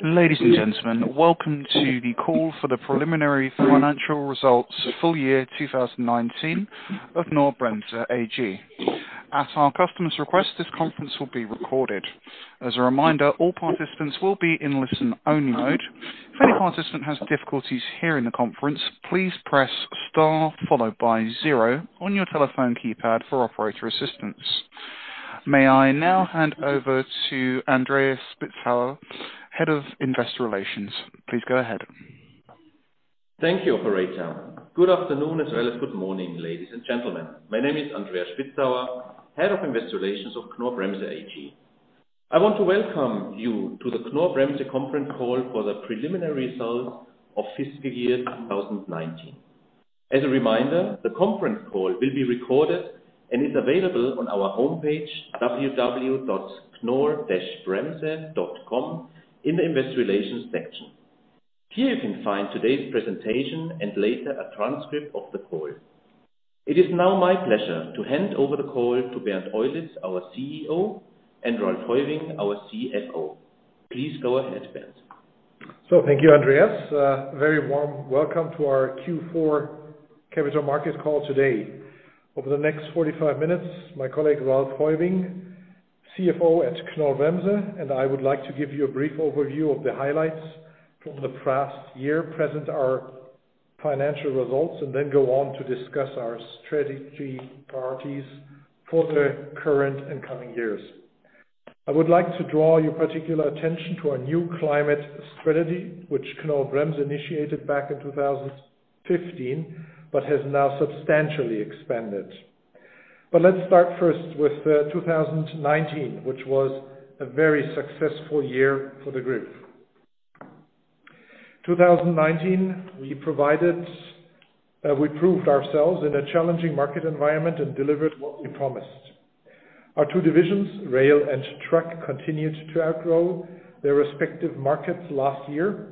Ladies and gentlemen, welcome to the call for the Preliminary Financial Results Full Year 2019 of Knorr-Bremse AG. At our customer's request, this conference will be recorded. As a reminder, all participants will be in listen-only mode. If any participant has difficulties hearing the conference, please press star followed by zero on your telephone keypad for operator assistance. May I now hand over to Andreas Spitzauer, Head of Investor Relations. Please go ahead. Thank you, operator. Good afternoon as well as good morning, ladies and gentlemen. My name is Andreas Spitzauer, Head of Investor Relations of Knorr-Bremse AG. I want to welcome you to the Knorr-Bremse conference call for the preliminary results of fiscal year 2019. As a reminder, the conference call will be recorded and is available on our homepage, www.knorr-bremse.com, in the Investor Relations section. Here you can find today's presentation and later a transcript of the call. It is now my pleasure to hand over the call to Bernd Eulitz, our CEO, and Ralph Heuwing, our CFO. Please go ahead, Bernd. Thank you, Andreas. A very warm welcome to our Q4 Capital Market call today. Over the next 45 minutes, my colleague, Ralph Heuwing, CFO at Knorr-Bremse, and I would like to give you a brief overview of the highlights from the past year, present our financial results, and then go on to discuss our strategy priorities for the current and coming years. I would like to draw your particular attention to our new climate strategy, which Knorr-Bremse initiated back in 2015, but has now substantially expanded. Let's start first with 2019, which was a very successful year for the group. 2019, we proved ourselves in a challenging market environment and delivered what we promised. Our two divisions, Rail and Truck, continued to outgrow their respective markets last year,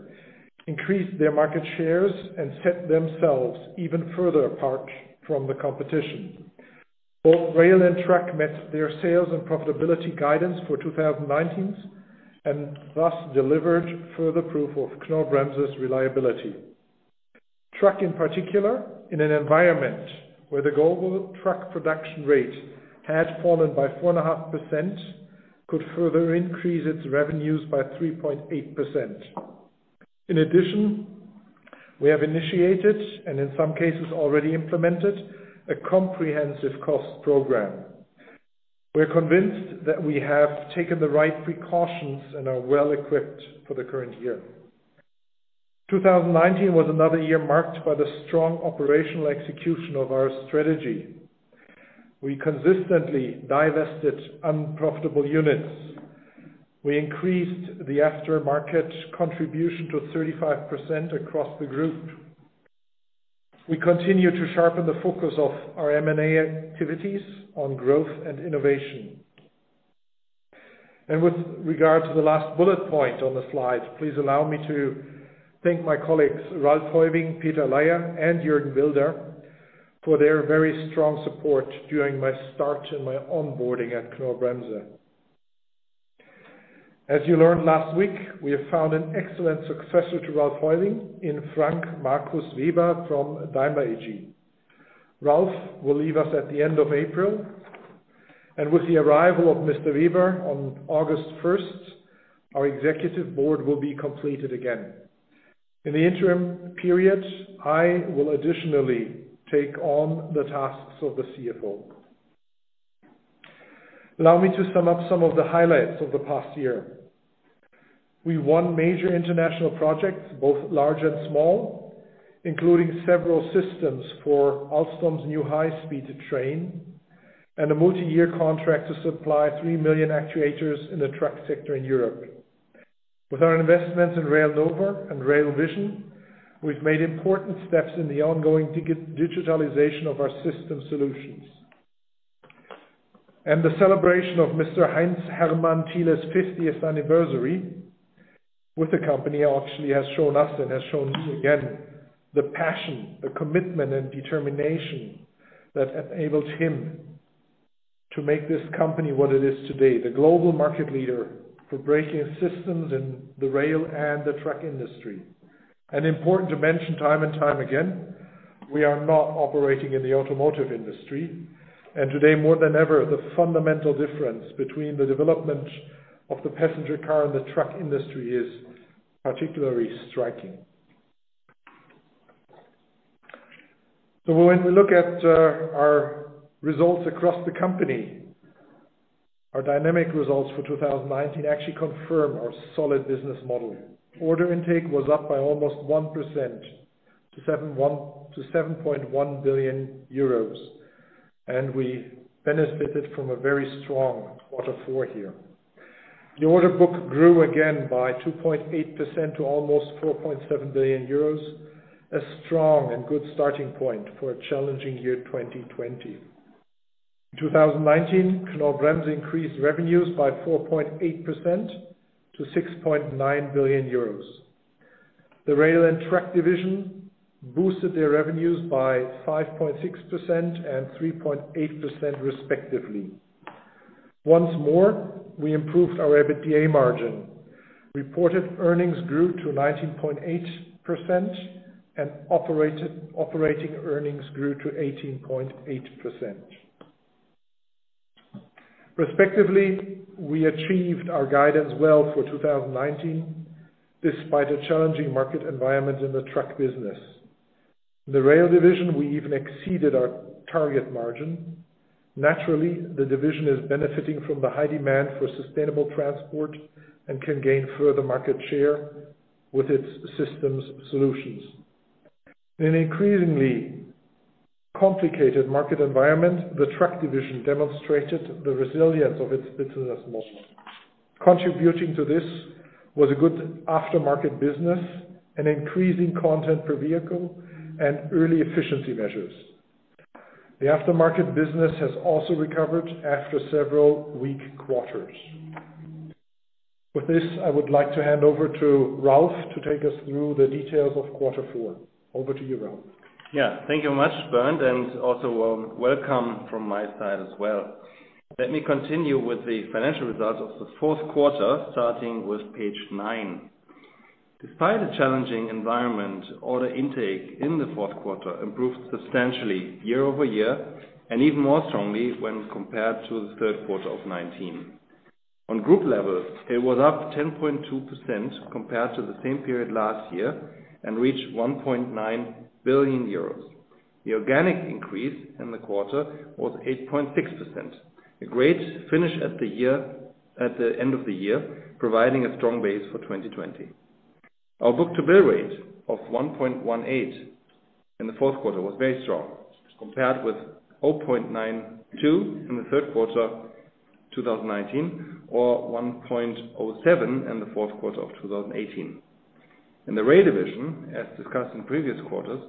increased their market shares, and set themselves even further apart from the competition. Both Rail and Truck met their sales and profitability guidance for 2019 and thus delivered further proof of Knorr-Bremse's reliability. Truck in particular, in an environment where the global truck production rate had fallen by 4.5%, could further increase its revenues by 3.8%. In addition, we have initiated and in some cases already implemented a comprehensive cost program. We're convinced that we have taken the right precautions and are well equipped for the current year. 2019 was another year marked by the strong operational execution of our strategy. We consistently divested unprofitable units. We increased the aftermarket contribution to 35%, across the group. We continue to sharpen the focus of our M&A activities on growth and innovation. With regard to the last bullet point on the slide, please allow me to thank my colleagues, Ralph Heuwing, Peter Laier, and for their very strong support during my start and my onboarding at Knorr-Bremse. As you learned last week, we have found an excellent successor to Ralph Heuwing in Frank Markus Weber from Daimler AG. Ralph will leave us at the end of April, and with the arrival of Mr. Weber on August 1st, our executive board will be completed again. In the interim period, I will additionally take on the tasks of the CFO. Allow me to sum up some of the highlights of the past year. We won major international projects, both large and small, including several systems for Alstom's new high-speed train and a multi-year contract to supply 3 million actuators in the truck sector in Europe. With our investments in Railnova and Rail Vision, we've made important steps in the ongoing digitalization of our system solutions. The celebration of Mr. Heinz Hermann Thiele's 50th anniversary with the company actually has shown us and has shown me again the passion, the commitment, and determination that enabled him to make this company what it is today, the global market leader for braking systems in the rail and the truck industry. Important to mention time and time again, we are not operating in the automotive industry, and today more than ever, the fundamental difference between the development of the passenger car and the truck industry is particularly striking. When we look at our results across the company, our dynamic results for 2019 actually confirm our solid business model. Order intake was up by almost 1%, to 7.1 billion euros. We benefited from a very strong quarter four here. The order book grew again by 2.8%, to almost 4.7 billion euros, a strong and good starting point for a challenging year 2020. In 2019, Knorr-Bremse increased revenues by 4.8%, to 6.9 billion euros. The Rail and Truck divisions boosted their revenues by 5.6% and 3.8%, respectively. Once more, we improved our EBITDA margin. Reported earnings grew to 19.8%, and operating earnings grew to 18.8%. Respectively, we achieved our guidance well for 2019, despite a challenging market environment in the truck business. The Rail division, we even exceeded our target margin. Naturally, the division is benefiting from the high demand for sustainable transport and can gain further market share with its systems solutions. In an increasingly complicated market environment, the Truck division demonstrated the resilience of its business model. Contributing to this was a good aftermarket business, an increasing content per vehicle, and early efficiency measures. The aftermarket business has also recovered after several weak quarters. With this, I would like to hand over to Ralph to take us through the details of quarter four. Over to you, Ralph. Yeah. Thank you much, Bernd, also welcome from my side as well. Let me continue with the financial results of the fourth quarter, starting with page nine. Despite a challenging environment, order intake in the fourth quarter improved substantially year-over-year and even more strongly when compared to the third quarter of 2019. On group level, it was up 10.2%, compared to the same period last year and reached 1.9 billion euros. The organic increase in the quarter was 8.6%. A great finish at the end of the year, providing a strong base for 2020. Our book-to-bill rate of 1.18 in the fourth quarter was very strong compared with 0.92 in the third quarter 2019, or 1.07 in the fourth quarter of 2018. In the Rail division, as discussed in previous quarters,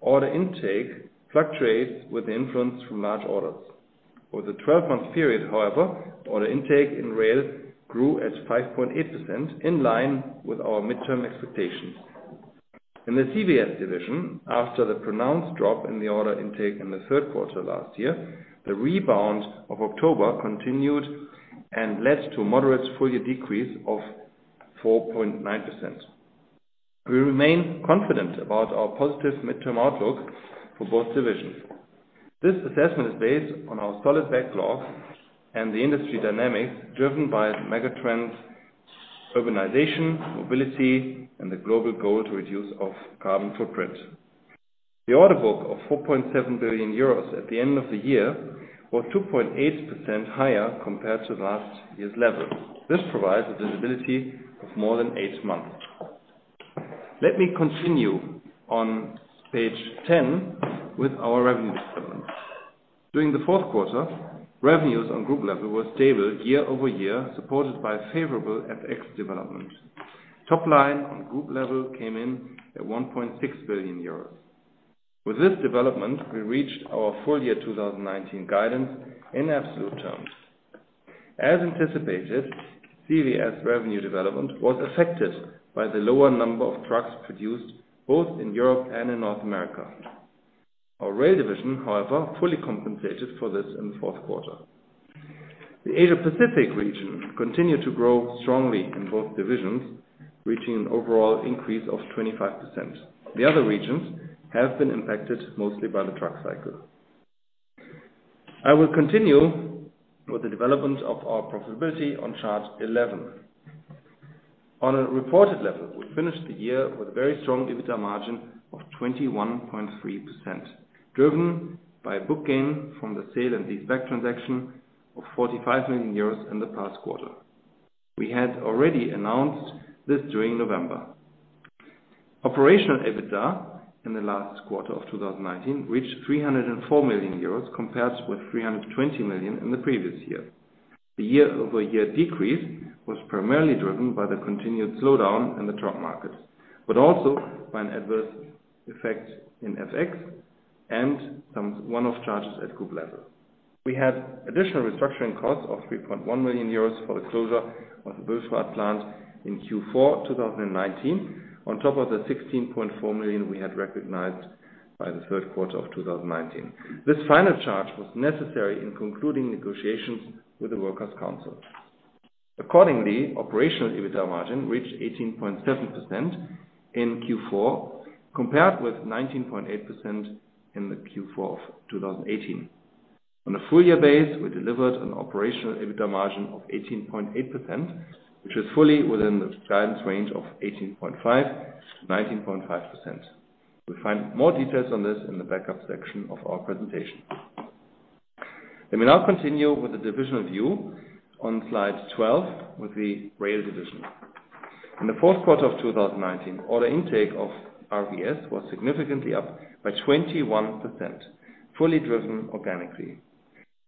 order intake fluctuates with the influence from large orders. Over the 12-month period, however, order intake in Rail grew at 5.8%, in line with our midterm expectations. In the CVS division, after the pronounced drop in the order intake in the third quarter last year, the rebound of October continued and led to a moderate full year decrease of 4.9%. We remain confident about our positive midterm outlook for both divisions. This assessment is based on our solid backlog and the industry dynamics driven by megatrend, urbanization, mobility, and the global goal to reduce our carbon footprint. The order book of 4.7 billion euros at the end of the year was 2.8%, higher compared to last year's level. This provides a visibility of more than eight months. Let me continue on page 10 with our revenue development. During the fourth quarter, revenues on group level were stable year-over-year, supported by favorable FX development. Top line on group level came in at 1.6 billion euros. With this development, we reached our full year 2019 guidance in absolute terms. As anticipated, CVS revenue development was affected by the lower number of trucks produced both in Europe and in North America. Our Rail division, however, fully compensated for this in the fourth quarter. The Asia Pacific region continued to grow strongly in both divisions, reaching an overall increase of 25%. The other regions have been impacted mostly by the truck cycle. I will continue with the development of our profitability on chart 11. On a reported level, we finished the year with a very strong EBITDA margin of 21.3%, driven by a book gain from the sale and leaseback transaction of 45 million euros in the past quarter. We had already announced this during November. Operational EBITDA in the last quarter of 2019 reached 304 million euros, compared with 320 million in the previous year. The year-over-year decrease was primarily driven by the continued slowdown in the truck markets, also by an adverse effect in FX and some one-off charges at group level. We had additional restructuring costs of 3.1 million euros for the closure of the Burgstadt plant in Q4 2019, on top of the 16.4 million we had recognized by the third quarter of 2019. This final charge was necessary in concluding negotiations with the workers' council. Accordingly, operational EBITDA margin reached 18.7%, in Q4, compared with 19.8%, in the Q4 of 2018. On a full year base, we delivered an operational EBITDA margin of 18.8%, which is fully within the guidance range of 18.5%-19.5%. You'll find more details on this in the backup section of our presentation. Let me now continue with the divisional view on slide 12 with the Rail division. In the fourth quarter of 2019, order intake of RVS was significantly up by 21%, fully driven organically.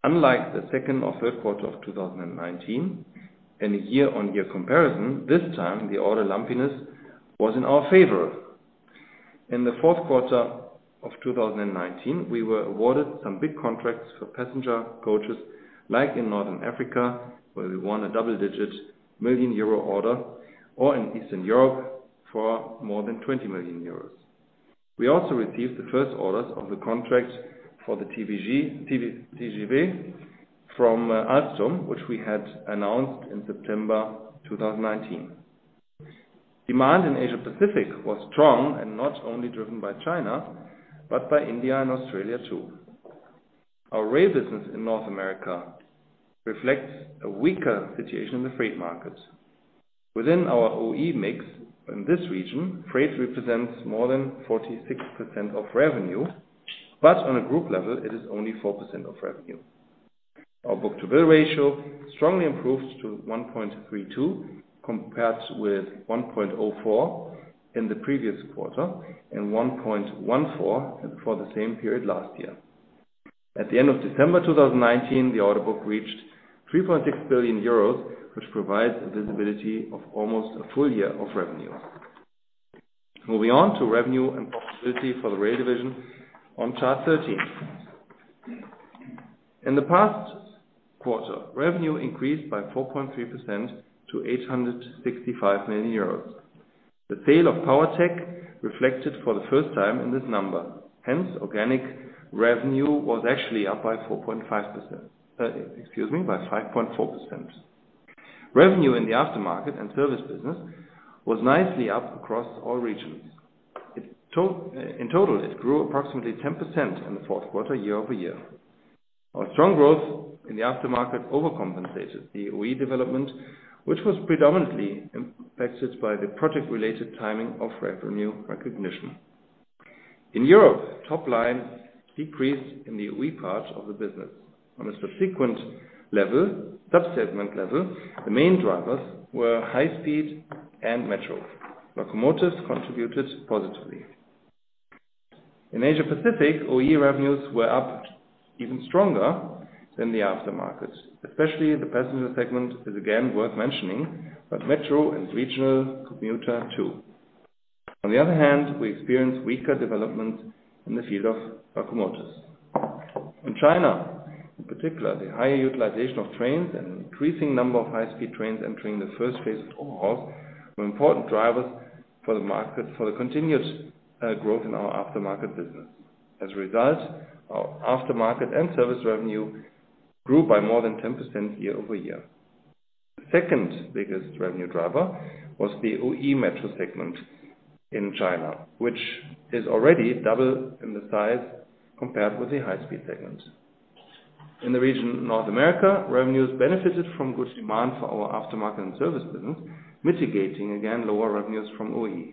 Unlike the second or third quarter of 2019, in a year-on-year comparison, this time the order lumpiness was in our favor. In the fourth quarter of 2019, we were awarded some big contracts for passenger coaches, like in Northern Africa, where we won a double-digit million EUR order, or in Eastern Europe for more than 20 million euros. We also received the first orders of the contract for the TGV from Alstom, which we had announced in September 2019. Demand in Asia Pacific was strong and not only driven by China, but by India and Australia too. Our rail business in North America reflects a weaker situation in the freight market. Within our OE mix in this region, freight represents more than 46%, of revenue, on a group level, it is only 4%, of revenue. Our book-to-bill ratio strongly improved to 1.32 compared with 1.04 in the previous quarter and 1.14 for the same period last year. At the end of December 2019, the order book reached 3.6 billion euros, which provides a visibility of almost a full year of revenue. Moving on to revenue and profitability for the rail division on chart 13. In the past quarter, revenue increased by 4.3%, to 865 million euros. The sale of Powertec reflected for the first time in this number. Organic revenue was actually up by 5.4%. Revenue in the aftermarket and service business was nicely up across all regions. In total, it grew approximately 10%, in the fourth quarter year-over-year. Our strong growth in the aftermarket overcompensated the OE development, which was predominantly impacted by the project-related timing of revenue recognition. In Europe, top line decreased in the OE part of the business. On a subsequent subsegment level, the main drivers were high speed and metro. Locomotives contributed positively. In Asia Pacific, OE revenues were up even stronger than the aftermarket. Especially the passenger segment is again worth mentioning, metro and regional commuter too. On the other hand, we experienced weaker development in the field of locomotives. In China, in particular, the higher utilization of trains and increasing number of high-speed trains entering the first phase of haul were important drivers for the continued growth in our aftermarket business. As a result, our aftermarket and service revenue grew by more than 10%, year-over-year. The second biggest revenue driver was the OE metro segment in China, which is already double in the size compared with the high-speed segment. In the region North America, revenues benefited from good demand for our aftermarket and service business, mitigating again lower revenues from OE.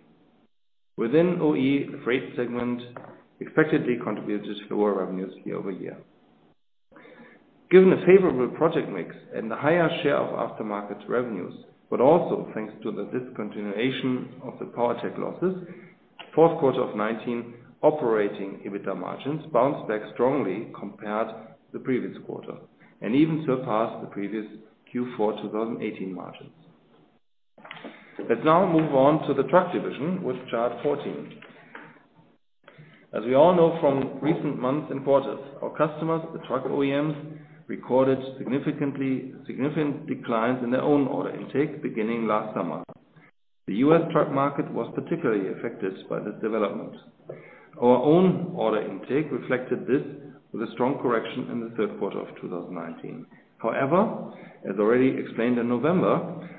Within OE, the freight segment expectedly contributed to lower revenues year-over-year. Given a favorable project mix and a higher share of aftermarket revenues, but also thanks to the discontinuation of the Powertech losses, fourth quarter of 2019 operating EBITDA margins bounced back strongly compared to the previous quarter and even surpassed the previous Q4 2018 margins. Let's now move on to the truck division with chart 14. As we all know from recent months and quarters, our customers, the truck OEMs, recorded significant declines in their own order intake beginning last summer. The U.S. truck market was particularly affected by this development. Our own order intake reflected this with a strong correction in the third quarter of 2019. As already explained in November,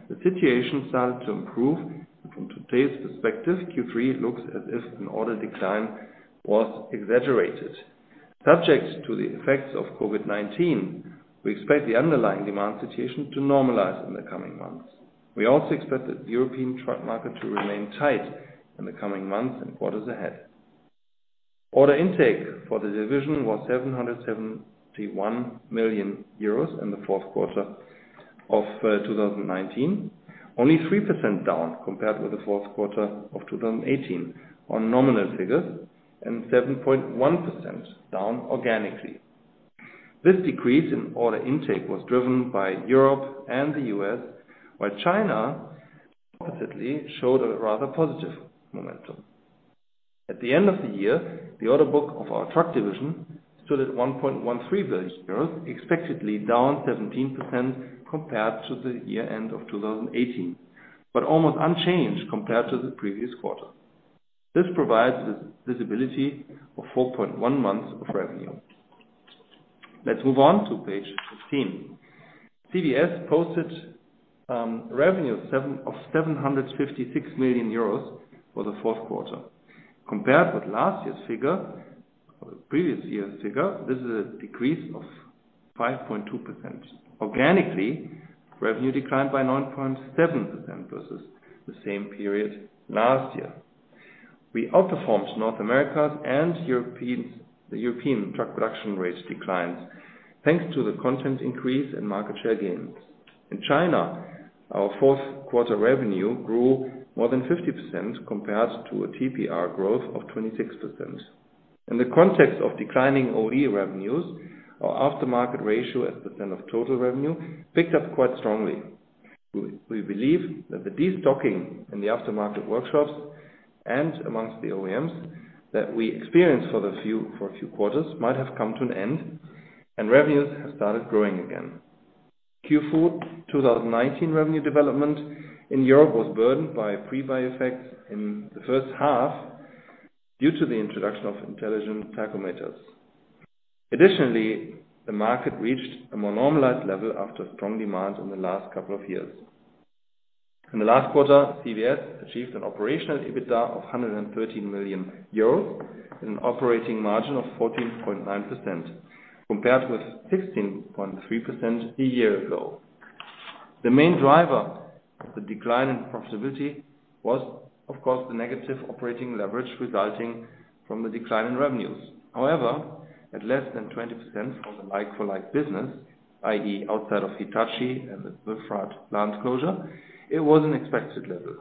the situation started to improve and from today's perspective, Q3 looks as if an order decline was exaggerated. Subject to the effects of COVID-19, we expect the underlying demand situation to normalize in the coming months. We also expect the European truck market to remain tight in the coming months and quarters ahead. Order intake for the division was 771 million euros in the fourth quarter of 2019, only 3%, down compared with the fourth quarter of 2018 on nominal figures, and 7.1%, down organically. This decrease in order intake was driven by Europe and the U.S., while China oppositely showed a rather positive momentum. At the end of the year, the order book of our truck division stood at 1.13 billion euros, expectedly down 17%, compared to the year end of 2018, but almost unchanged compared to the previous quarter. This provides the visibility of 4.1 months of revenue. Let's move on to page 15. CVS posted revenue of 756 million euros for the fourth quarter. Compared with the previous year's figure, this is a decrease of 5.2%. Organically, revenue declined by 9.7%, versus the same period last year. We outperformed North America and the European truck production rates declined thanks to the content increase and market share gains. In China, our fourth quarter revenue grew more than 50%, compared to a TPR growth of 26%. In the context of declining OE revenues, our aftermarket ratio as % of total revenue picked up quite strongly. We believe that the destocking in the aftermarket workshops and amongst the OEMs that we experienced for a few quarters might have come to an end, and revenues have started growing again. Q4 2019 revenue development in Europe was burdened by a pre-buy effect in the first half due to the introduction of intelligent tachographs. Additionally, the market reached a more normalized level after strong demand in the last couple of years. In the last quarter, CVS achieved an operational EBITDA of 113 million euros and an operating margin of 14.9%, compared with 16.3%, a year ago. The main driver of the decline in profitability was, of course, the negative operating leverage resulting from the decline in revenues. However, at less than 20%, from the like-for-like business, i.e outside of Hitachi and the Suffrag lands closure, it was an expected level.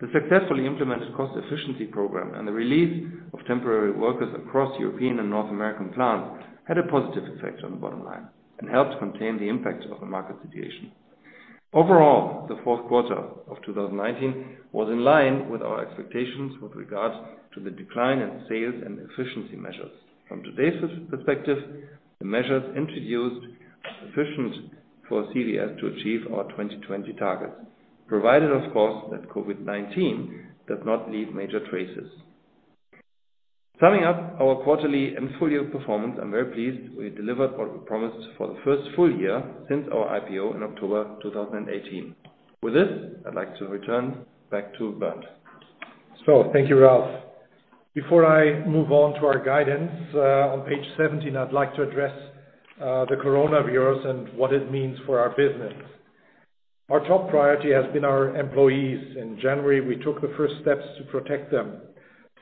The successfully implemented cost efficiency program and the release of temporary workers across European and North American plants had a positive effect on the bottom line and helped contain the impact of the market situation. Overall, the fourth quarter of 2019 was in line with our expectations with regards to the decline in sales and efficiency measures. From today's perspective, the measures introduced are sufficient for CVS to achieve our 2020 targets, provided, of course, that COVID-19 does not leave major traces. Summing up our quarterly and full-year performance, I'm very pleased we delivered what we promised for the first full year since our IPO in October 2018. With this, I'd like to return back to Bernd. Thank you, Ralph. Before I move on to our guidance on page 17, I would like to address the coronavirus and what it means for our business. Our top priority has been our employees. In January, we took the first steps to protect them.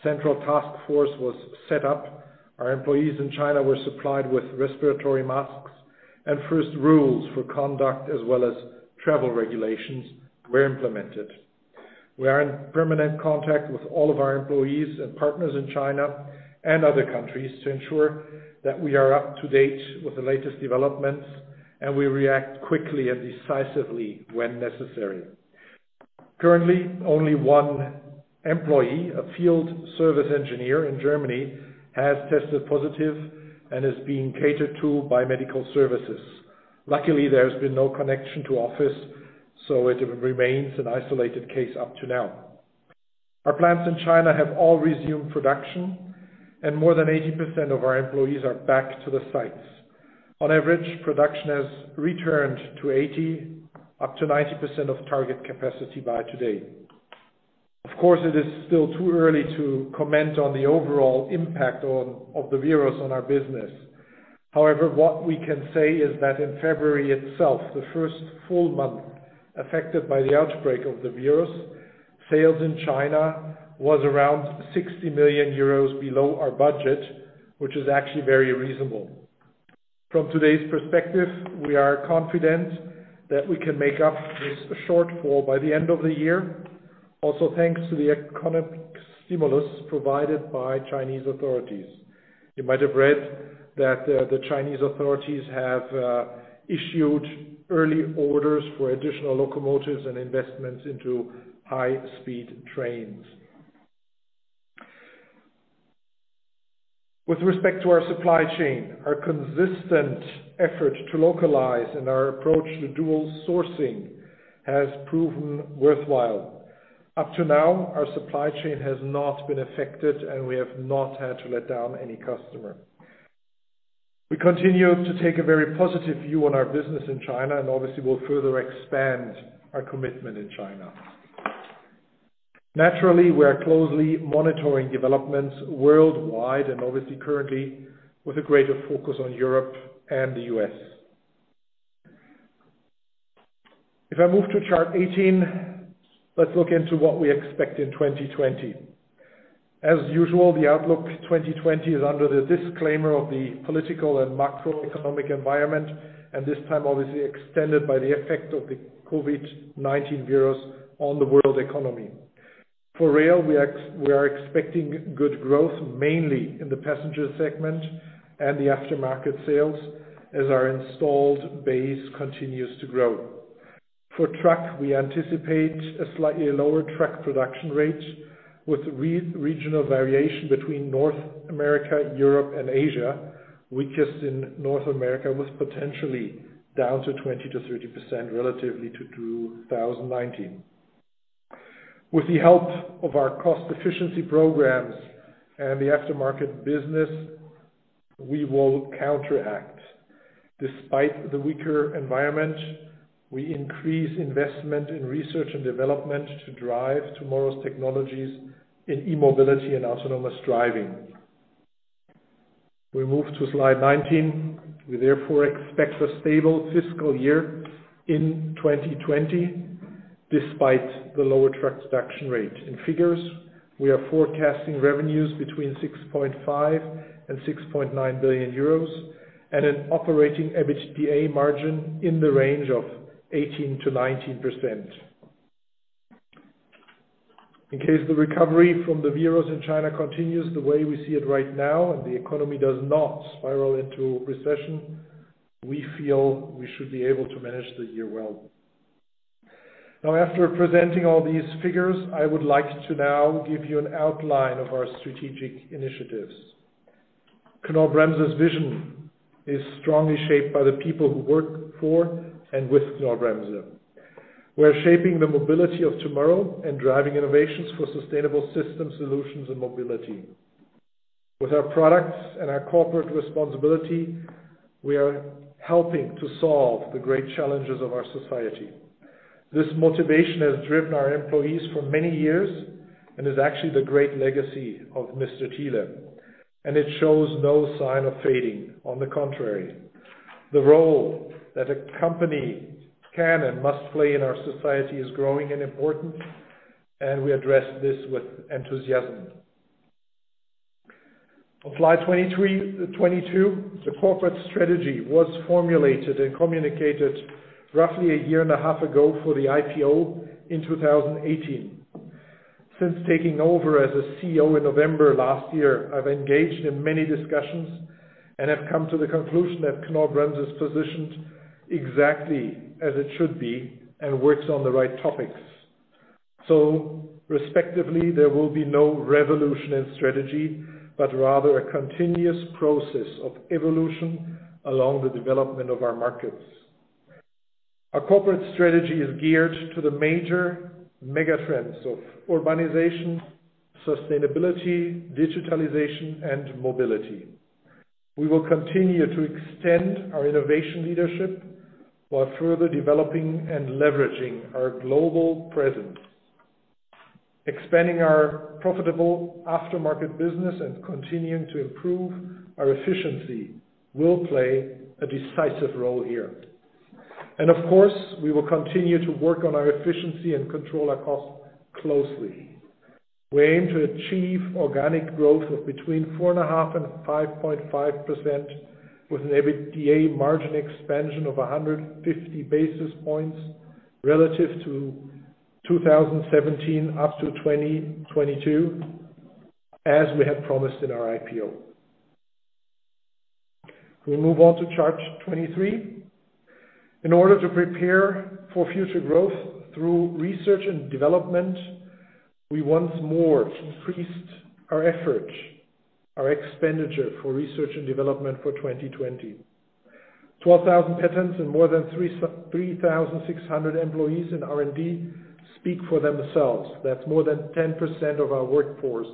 Central task force was set up. Our employees in China were supplied with respiratory masks and first rules for conduct as well as travel regulations were implemented. We are in permanent contact with all of our employees and partners in China and other countries to ensure that we are up to date with the latest developments and we react quickly and decisively when necessary. Currently, only one employee, a field service engineer in Germany, has tested positive and is being catered to by medical services. Luckily, there has been no connection to office, so it remains an isolated case up to now. Our plants in China have all resumed production and more than 80%, of our employees are back to the sites. On average, production has returned to 80%-90%, of target capacity by today. Of course, it is still too early to comment on the overall impact of the virus on our business. However, what we can say is that in February itself, the first full month affected by the outbreak of the virus, sales in China was around 60 million euros below our budget, which is actually very reasonable. From today's perspective, we are confident that we can make up this shortfall by the end of the year. Thanks to the economic stimulus provided by chinese authorities. You might have read that the chinese authorities have issued early orders for additional locomotives and investments into high-speed trains. With respect to our supply chain, our consistent effort to localize and our approach to dual sourcing has proven worthwhile. Up to now, our supply chain has not been affected and we have not had to let down any customer. We continue to take a very positive view on our business in China and obviously will further expand our commitment in China. Naturally, we are closely monitoring developments worldwide and obviously currently with a greater focus on Europe and the U.S. If I move to chart 18, let's look into what we expect in 2020. As usual, the outlook 2020 is under the disclaimer of the political and macroeconomic environment, and this time obviously extended by the effect of the COVID-19 virus on the world economy. For rail, we are expecting good growth mainly in the passenger segment and the aftermarket sales as our installed base continues to grow. For truck, we anticipate a slightly lower truck production rate with regional variation between North America, Europe, and Asia. Weakest in North America was potentially down to 20%-30%, relatively to 2019. With the help of our cost efficiency programs and the aftermarket business, we will counteract. Despite the weaker environment, we increase investment in research and development to drive tomorrow's technologies in e-mobility and autonomous driving. We move to slide 19. We therefore expect a stable fiscal year in 2020 despite the lower truck production rate. In figures, we are forecasting revenues between 6.5 billion and 6.9 billion euros and an operating EBITDA margin in the range of 18%-19%. In case the recovery from the virus in China continues the way we see it right now, and the economy does not spiral into recession, we feel we should be able to manage the year well. After presenting all these figures, I would like to now give you an outline of our strategic initiatives. Knorr-Bremse's vision is strongly shaped by the people who work for and with Knorr-Bremse. We're shaping the mobility of tomorrow and driving innovations for sustainable system solutions and mobility. With our products and our corporate responsibility, we are helping to solve the great challenges of our society. This motivation has driven our employees for many years and is actually the great legacy of Mr. Thiele, and it shows no sign of fading. On the contrary, the role that a company can and must play in our society is growing in importance, and we address this with enthusiasm. On slide 22, the corporate strategy was formulated and communicated roughly a year and a half ago for the IPO in 2018. Since taking over as a CEO in November last year, I've engaged in many discussions and have come to the conclusion that Knorr-Bremse is positioned exactly as it should be and works on the right topics. Respectively, there will be no revolution in strategy, but rather a continuous process of evolution along the development of our markets. Our corporate strategy is geared to the major mega trends of urbanization, sustainability, digitalization, and mobility. We will continue to extend our innovation leadership while further developing and leveraging our global presence. Expanding our profitable aftermarket business and continuing to improve our efficiency will play a decisive role here. Of course, we will continue to work on our efficiency and control our costs closely. We aim to achieve organic growth of between 4.5% and 5.5%, with an EBITDA margin expansion of 150 basis points relative to 2017 up to 2022, as we had promised in our IPO. We move on to chart 23. In order to prepare for future growth through research and development, we once more increased our effort, our expenditure for research and development for 2020. 12,000 patents and more than 3,600 employees in R&D speak for themselves. That's more than 10%, of our workforce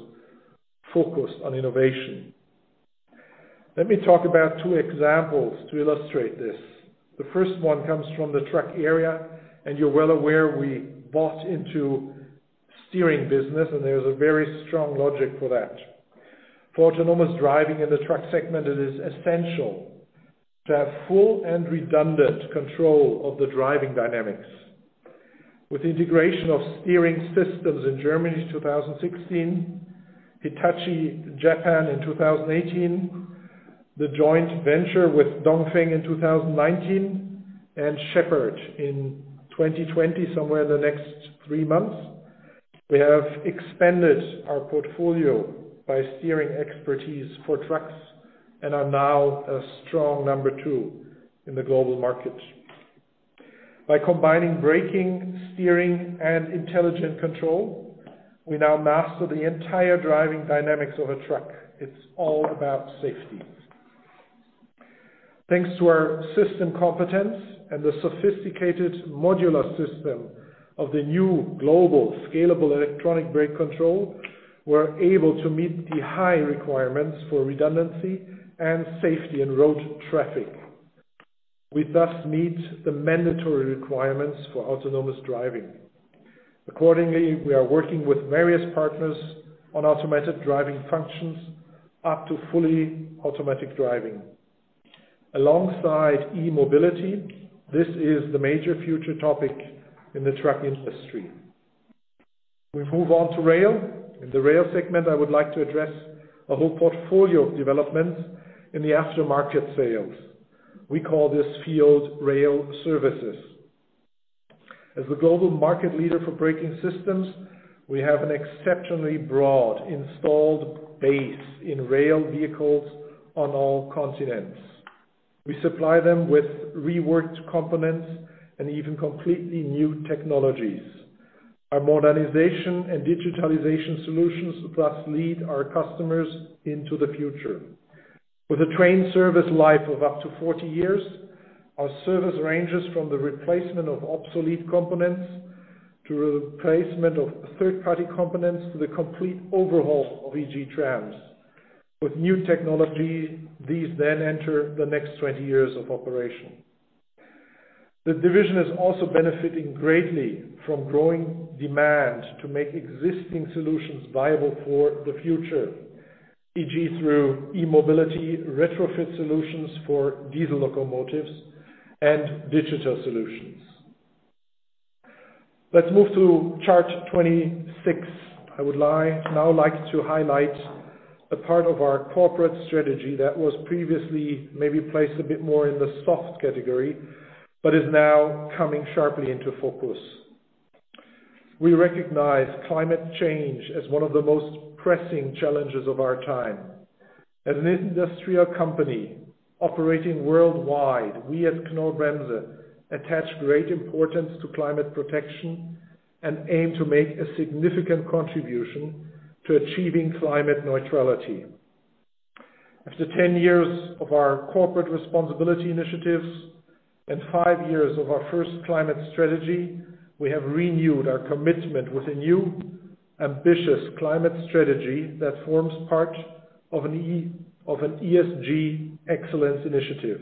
focused on innovation. Let me talk about two examples to illustrate this. The first one comes from the truck area, and you're well aware we bought into steering business, and there's a very strong logic for that. For autonomous driving in the truck segment, it is essential to have full and redundant control of the driving dynamics. With integration of steering systems in Germany in 2016, Hitachi, Ltd. in 2018, the joint venture with Dongfeng Motor Group in 2019, and Sheppard in 2020, somewhere in the next three months, we have expanded our portfolio by steering expertise for trucks and are now a strong number two in the global market. By combining braking, steering, and intelligent control, we now master the entire driving dynamics of a truck. It's all about safety. Thanks to our system competence and the sophisticated modular system of the new Global Scalable Brake Control, we're able to meet the high requirements for redundancy and safety in road traffic. We thus meet the mandatory requirements for autonomous driving. Accordingly, we are working with various partners on automatic driving functions up to fully automatic driving. Alongside e-mobility, this is the major future topic in the truck industry. We move on to rail. In the rail segment, I would like to address a whole portfolio of development in the aftermarket sales. We call this field RailServices. As the global market leader for braking systems, we have an exceptionally broad installed base in rail vehicles on all continents. We supply them with reworked components and even completely new technologies. Our modernization and digitalization solutions thus lead our customers into the future. With a train service life of up to 40 years, our service ranges from the replacement of obsolete components to replacement of third-party components to the complete overhaul of, e.g., trams. With new technology, these enter the next 20 years of operation. The division is also benefiting greatly from growing demand to make existing solutions viable for the future, e.g., through e-mobility retrofit solutions for diesel locomotives and digital solutions. Let's move to chart 26. I would now like to highlight a part of our corporate strategy that was previously maybe placed a bit more in the soft category, but is now coming sharply into focus. We recognize climate change as one of the most pressing challenges of our time. As an industrial company operating worldwide, we at Knorr-Bremse attach great importance to climate protection and aim to make a significant contribution to achieving climate neutrality. After 10 years of our corporate responsibility initiatives and five years of our first climate strategy, we have renewed our commitment with a new, ambitious climate strategy that forms part of an ESG excellence initiative.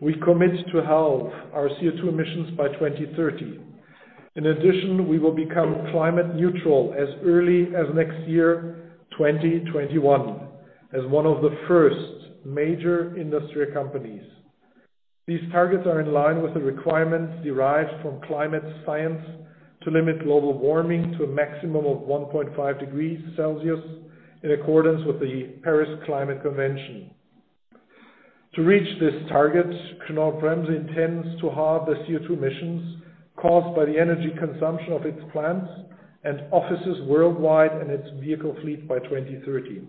We commit to halve our CO2 emissions by 2030. In addition, we will become climate neutral as early as next year, 2021, as one of the first major industrial companies. These targets are in line with the requirements derived from climate science to limit global warming to a maximum of 1.5 degrees Celsius in accordance with the Paris Agreement. To reach this target, Knorr-Bremse intends to halve the CO2 emissions caused by the energy consumption of its plants and offices worldwide and its vehicle fleet by 2030.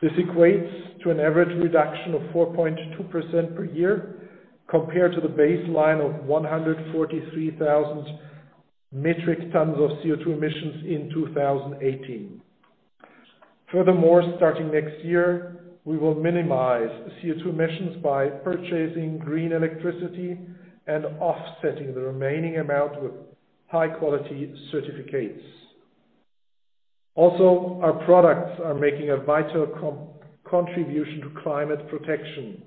This equates to an average reduction of 4.2%, per year compared to the baseline of 143,000 metric tons of CO2 emissions in 2018. Furthermore, starting next year, we will minimize CO2 emissions by purchasing green electricity and offsetting the remaining amount with high-quality certificates. Also, our products are making a vital contribution to climate protection.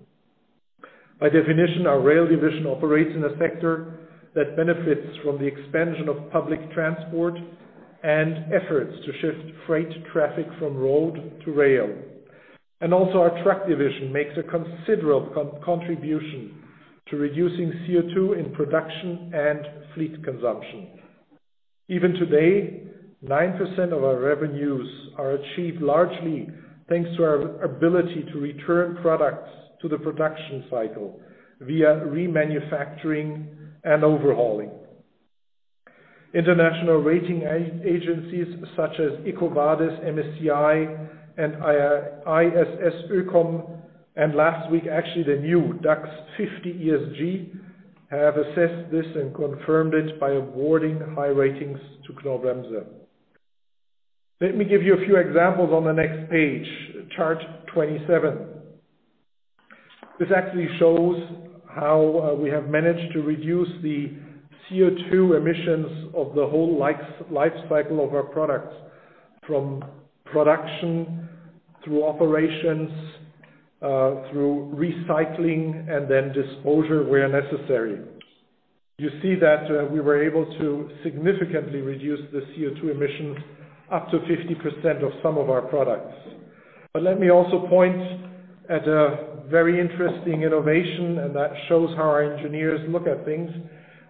By definition, our rail division operates in a sector that benefits from the expansion of public transport and efforts to shift freight traffic from road to rail. Also our truck division makes a considerable contribution to reducing CO2 in production and fleet consumption. Even today, 9%, of our revenues are achieved largely thanks to our ability to return products to the production cycle via remanufacturing and overhauling. International rating agencies such as EcoVadis, MSCI, and ISS-oekom, and last week, actually the new DAX 50 ESG, have assessed this and confirmed it by awarding high ratings to Knorr-Bremse. Let me give you a few examples on the next page, chart 27. This actually shows how we have managed to reduce the CO2 emissions of the whole life cycle of our products, from production through operations, through recycling, and then disposal where necessary. You see that we were able to significantly reduce the CO2 emissions up to 50%, of some of our products. Let me also point at a very interesting innovation. That shows how our engineers look at things.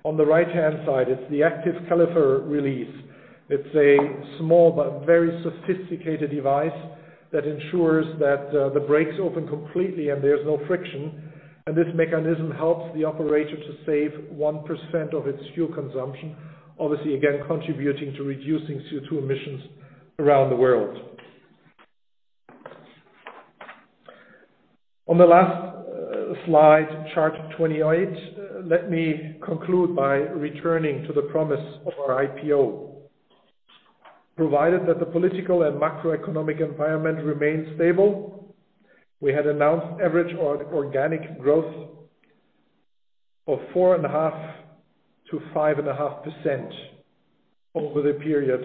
On the right-hand side, it's the Active Caliper Release. It's a small but very sophisticated device that ensures that the brakes open completely and there's no friction. This mechanism helps the operator to save 1%, of its fuel consumption, obviously, again, contributing to reducing CO2 emissions around the world. On the last slide, chart 28, let me conclude by returning to the promise of our IPO. Provided that the political and macroeconomic environment remains stable, we had announced average organic growth of 4.5%-5.5%, over the period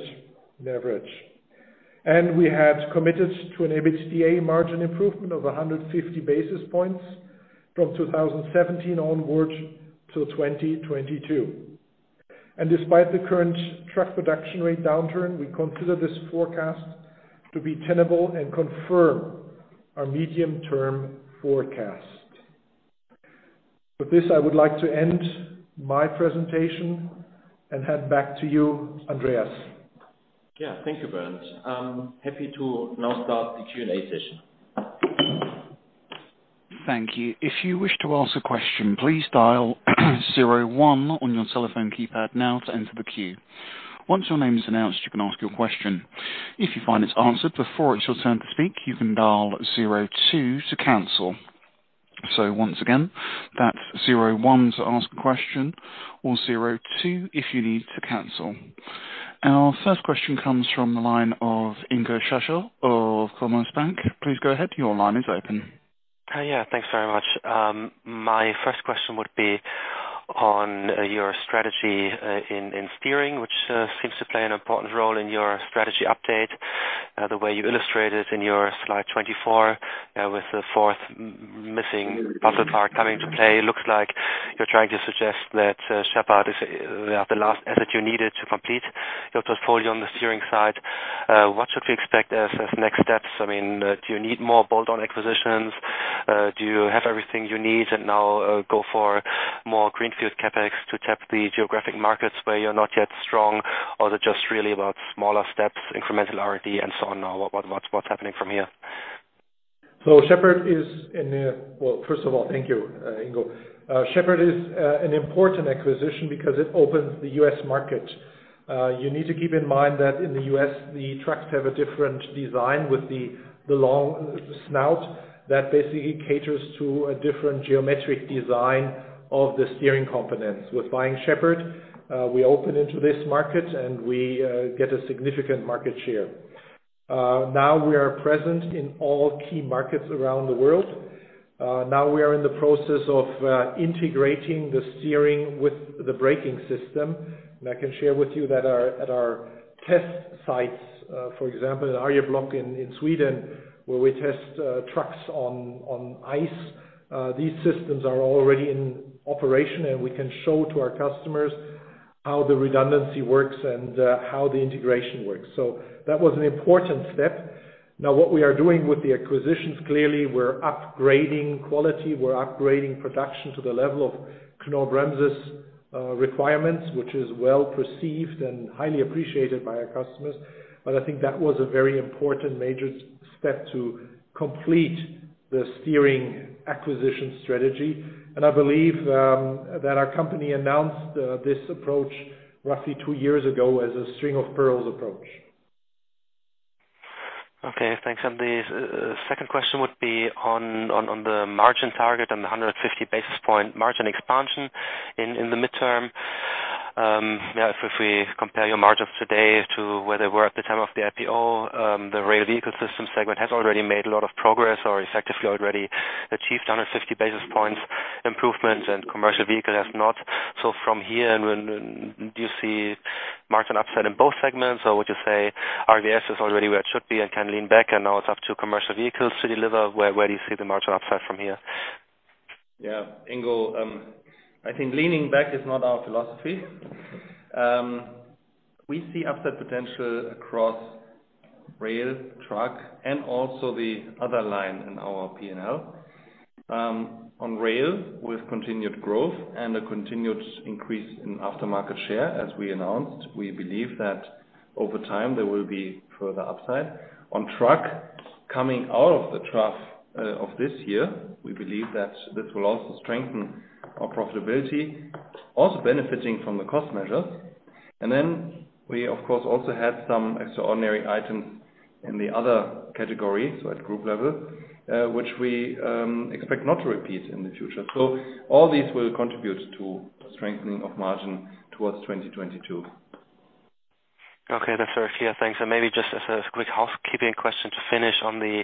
on average. We had committed to an EBITDA margin improvement of 150 basis points from 2017 onwards till 2022. Despite the current truck production rate downturn, we consider this forecast to be tenable and confirm our medium-term forecast. With this, I would like to end my presentation and hand back to you, Andreas. Yeah. Thank you, Bernd. I'm happy to now start the Q&A session. Thank you. If you wish to ask a question, please dial zero one on your cellphone keypad now to enter the queue. Once your name is announced, you can ask your question. If you find it's answered before it's your turn to speak, you can dial zero two to cancel. Once again, that's zero one to ask a question or zero two if you need to cancel. Our first question comes from the line of Ingo Schachel of Commerzbank. Please go ahead. Your line is open. Thanks very much. My first question would be on your strategy in steering, which seems to play an important role in your strategy update. The way you illustrate it in your slide 24 with the fourth missing puzzle part coming to play. Looks like you're trying to suggest that Sheppard is the last asset you needed to complete your portfolio on the steering side. What should we expect as next steps? Do you need more bolt-on acquisitions? Do you have everything you need and now go for more greenfield CapEx to tap the geographic markets where you're not yet strong? Is it just really about smaller steps, incremental R&D and so on? What's happening from here? First of all, thank you, Ingo. Sheppard is an important acquisition because it opens the U.S. market. You need to keep in mind that in the U.S., the trucks have a different design with the long snout that basically caters to a different geometric design of the steering components. With buying Sheppard, we open into this market and we get a significant market share. Now we are present in all key markets around the world. Now we are in the process of integrating the steering with the braking system. I can share with you that at our test sites, for example, Arjeplog in Sweden, where we test trucks on ice, these systems are already in operation, and we can show to our customers how the redundancy works and how the integration works. That was an important step. What we are doing with the acquisitions, clearly we're upgrading quality, we're upgrading production to the level of Knorr-Bremse's requirements, which is well perceived and highly appreciated by our customers. I think that was a very important major step to complete the steering acquisition strategy. I believe that our company announced this approach roughly two years ago as a string of pearls approach. Okay, thanks. The second question would be on the margin target and the 150 basis point margin expansion in the midterm. If we compare your margins today to where they were at the time of the IPO, the Rail Vehicle Systems segment has already made a lot of progress or effectively already achieved 150 basis points improvement and Commercial Vehicle has not. From here, do you see margin upside in both segments or would you say RVS is already where it should be and can lean back and now it's up to Commercial Vehicles to deliver? Where do you see the margin upside from here? Ingo, I think leaning back is not our philosophy. We see upside potential across rail, truck, and also the other line in our P&L. On rail, with continued growth and a continued increase in aftermarket share as we announced, we believe that over time there will be further upside. On truck, coming out of the trough of this year, we believe that this will also strengthen our profitability, also benefiting from the cost measures. We, of course, also had some extraordinary items in the other category, at group level, which we expect not to repeat in the future. All these will contribute to strengthening of margin towards 2022. Okay. That's very clear. Thanks. Maybe just as a quick housekeeping question to finish on the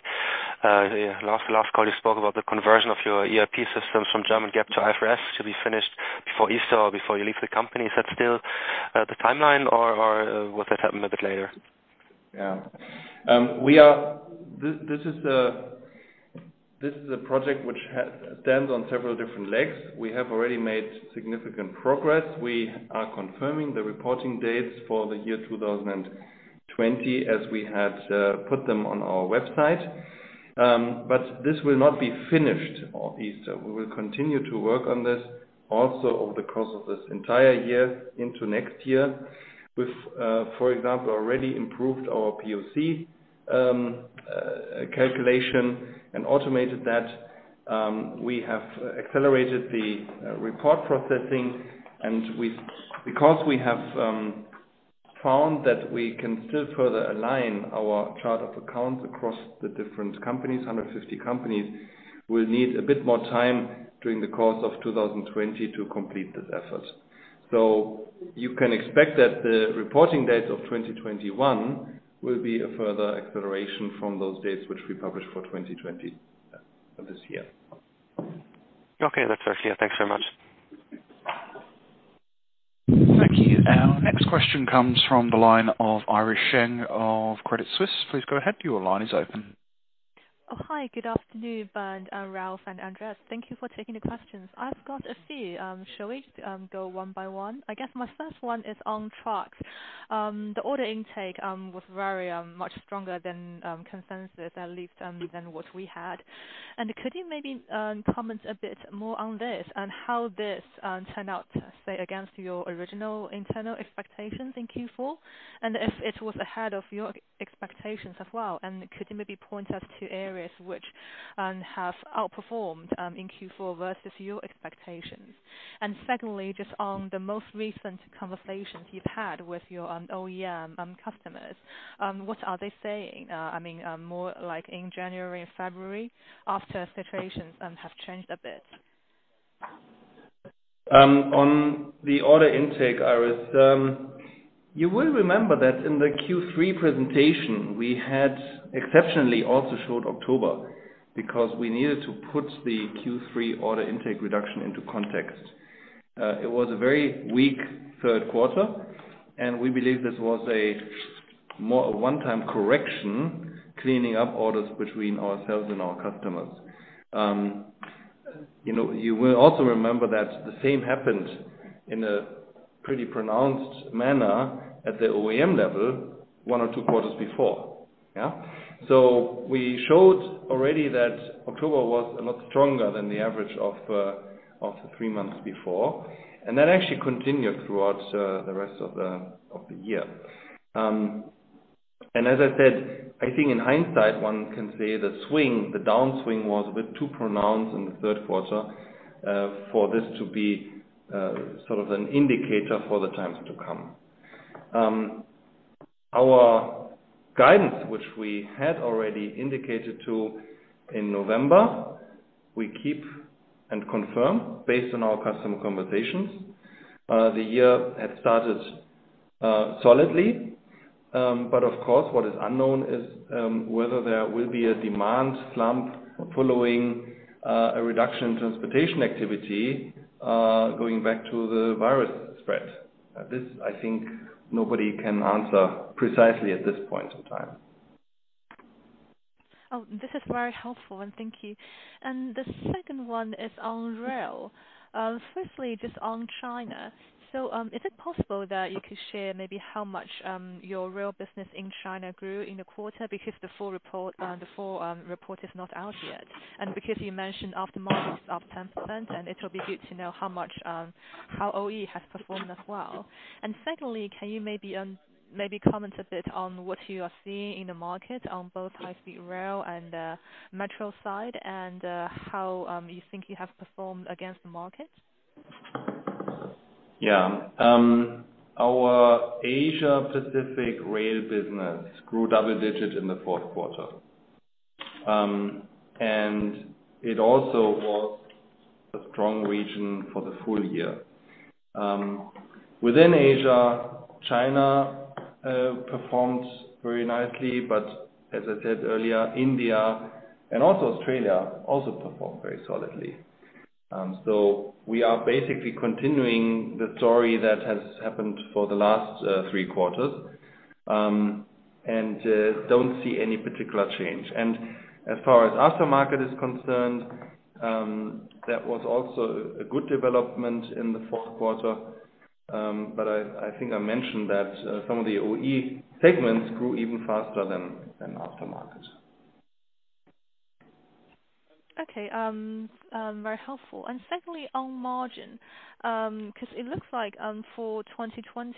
last call you spoke about the conversion of your ERP systems from German GAAP to IFRS to be finished before Easter or before you leave the company. Is that still the timeline or will that happen a bit later? This is a project which stands on several different legs. We have already made significant progress. We are confirming the reporting dates for the year 2020 as we had put them on our website. This will not be finished on Easter. We will continue to work on this also over the course of this entire year into next year. We've, for example, already improved our POC calculation and automated that. We have accelerated the report processing and because we have found that we can still further align our chart of accounts across the different companies, 150 companies, we'll need a bit more time during the course of 2020 to complete this effort. You can expect that the reporting dates of 2021 will be a further acceleration from those dates which we published for 2020 for this year. Okay. That's very clear. Thanks so much. Thank you. Our next question comes from the line of Iris Zheng of Credit Suisse. Please go ahead. Your line is open. Hi. Good afternoon, Bernd, Ralph, and Andreas. Thank you for taking the questions. I've got a few. Shall we go one by one? I guess my first one is on trucks. The order intake was very much stronger than consensus, at least than what we had. Could you maybe comment a bit more on this and how this turned out, say, against your original internal expectations in Q4? If it was ahead of your expectations as well, and could you maybe point us to areas which have outperformed in Q4 versus your expectations? Secondly, just on the most recent conversations you've had with your OEM customers, what are they saying? I mean, more like in January and February after situations have changed a bit. On the order intake, Iris, you will remember that in the Q3 presentation we had exceptionally also showed October because we needed to put the Q3 order intake reduction into context. It was a very weak third quarter and we believe this was a one-time correction cleaning up orders between ourselves and our customers. You will also remember that the same happened in a pretty pronounced manner at the OEM level one or two quarters before. We showed already that October was a lot stronger than the average of the three months before, and that actually continued throughout the rest of the year. As I said, I think in hindsight, one can say the swing, the downswing was a bit too pronounced in the third quarter for this to be an indicator for the times to come. Our guidance, which we had already indicated to in November, we keep and confirm based on our customer conversations. The year had started solidly, but of course, what is unknown is whether there will be a demand slump following a reduction in transportation activity, going back to the virus spread. This, I think nobody can answer precisely at this point in time. This is very helpful, and thank you. The second one is on rail. Firstly, just on China. Is it possible that you could share maybe how much your rail business in China grew in the quarter? Because the full report is not out yet, you mentioned aftermarkets up 10%, and it will be good to know how OE has performed as well. Secondly, can you maybe comment a bit on what you are seeing in the market on both high-speed rail and metro side and how you think you have performed against the market? Yeah. Our Asia Pacific rail business grew double digits in the fourth quarter. It also was a strong region for the full year. Within Asia, China performed very nicely, but as I said earlier, India and also Australia also performed very solidly. We are basically continuing the story that has happened for the last three quarters, and don't see any particular change. As far as aftermarket is concerned, that was also a good development in the fourth quarter, but I think I mentioned that some of the OE segments grew even faster than aftermarket. Okay. Very helpful. Secondly, on margin, because it looks like for 2020,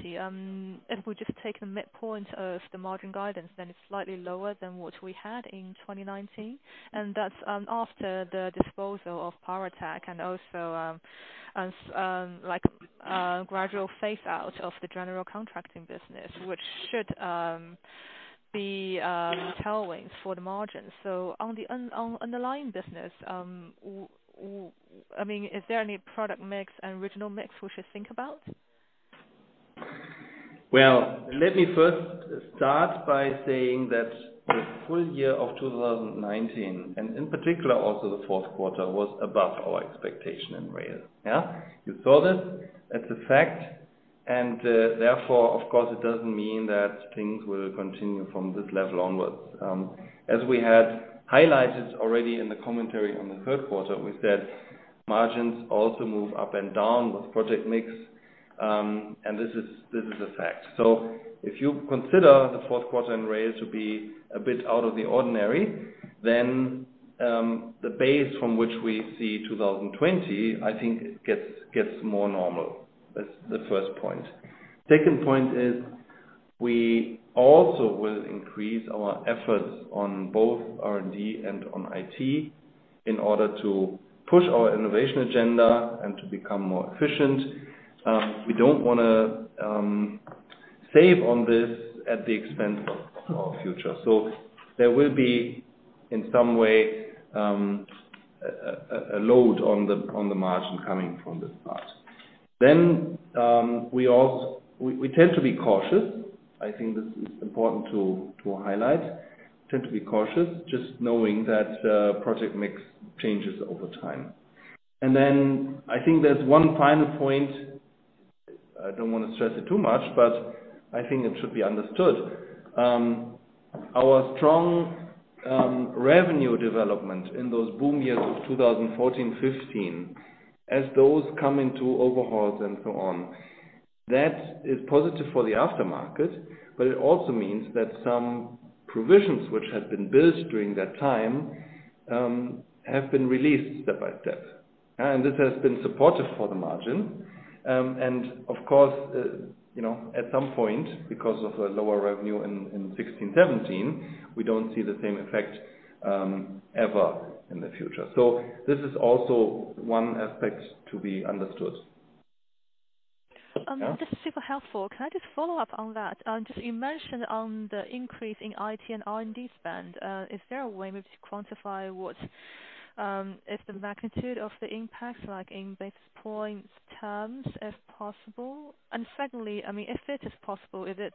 if we just take the midpoint of the margin guidance, then it's slightly lower than what we had in 2019. That's after the disposal of Powertec and also gradual phase out of the general contracting business, which should be tailwinds for the margin. On the underlying business, is there any product mix and regional mix we should think about? Well, let me first start by saying that the full year of 2019, and in particular also the fourth quarter, was above our expectation in rail. You saw this, it's a fact, therefore, of course, it doesn't mean that things will continue from this level onwards. As we had highlighted already in the commentary on the third quarter, we said margins also move up and down with project mix, this is a fact. If you consider the fourth quarter in rail to be a bit out of the ordinary, the base from which we see 2020, I think gets more normal. That's the first point. Second point is we also will increase our efforts on both R&D and on IT in order to push our innovation agenda to become more efficient. We don't want to save on this at the expense of our future. There will be, in some way, a load on the margin coming from this part. We tend to be cautious. I think this is important to highlight. We tend to be cautious just knowing that project mix changes over time. I think there is one final point. I don't want to stress it too much, but I think it should be understood. Our strong revenue development in those boom years of 2014, 2015, as those come into overhauls and so on, that is positive for the aftermarket, but it also means that some provisions which had been built during that time have been released step by step. This has been supportive for the margin. Of course, at some point, because of the lower revenue in 2016, 2017, we don't see the same effect ever in the future. This is also one aspect to be understood. This is super helpful. Can I just follow up on that? You mentioned on the increase in IT and R&D spend, is there a way maybe to quantify what is the magnitude of the impact, like in basis points terms, if possible? Secondly, if it is possible, is it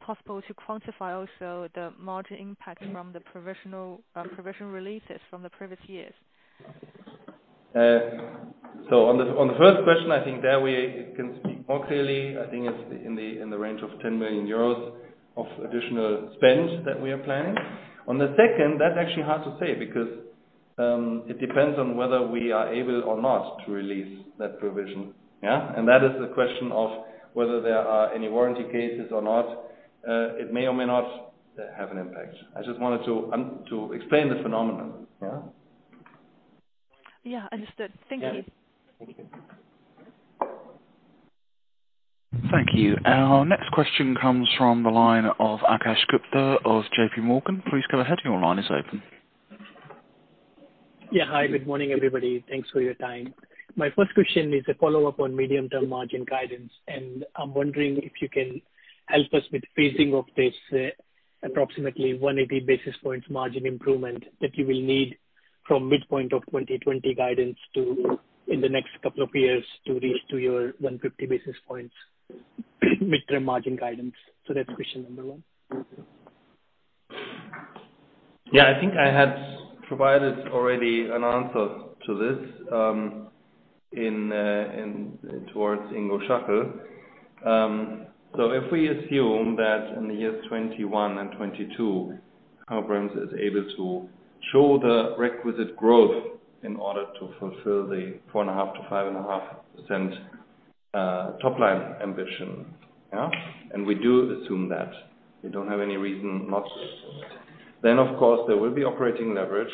possible to quantify also the margin impact from the provision releases from the previous years? On the first question, I think there we can speak more clearly. I think it's in the range of 10 million euros of additional spend that we are planning. On the second, that's actually hard to say, because it depends on whether we are able or not to release that provision. Yeah. That is the question of whether there are any warranty cases or not. It may or may not have an impact. I just wanted to explain the phenomenon. Yeah. Yeah. Understood. Thank you. Yeah. Thank you. Thank you. Our next question comes from the line of Akash Gupta of JP Morgan. Please go ahead. Your line is open. Yeah. Hi, good morning, everybody. Thanks for your time. My first question is a follow-up on medium-term margin guidance, I'm wondering if you can help us with phasing of this approximately 180 basis points margin improvement that you will need from midpoint of 2020 guidance to, in the next couple of years, to reach to your 150 basis points midterm margin guidance. That's question number one. I think I had provided already an answer to this towards Ingo Schachel. If we assume that in the years 2021 and 2022, Knorr-Bremse is able to show the requisite growth in order to fulfill the 4.5%-5.5%, top line ambition. Yeah. We do assume that. We don't have any reason not to. Of course, there will be operating leverage.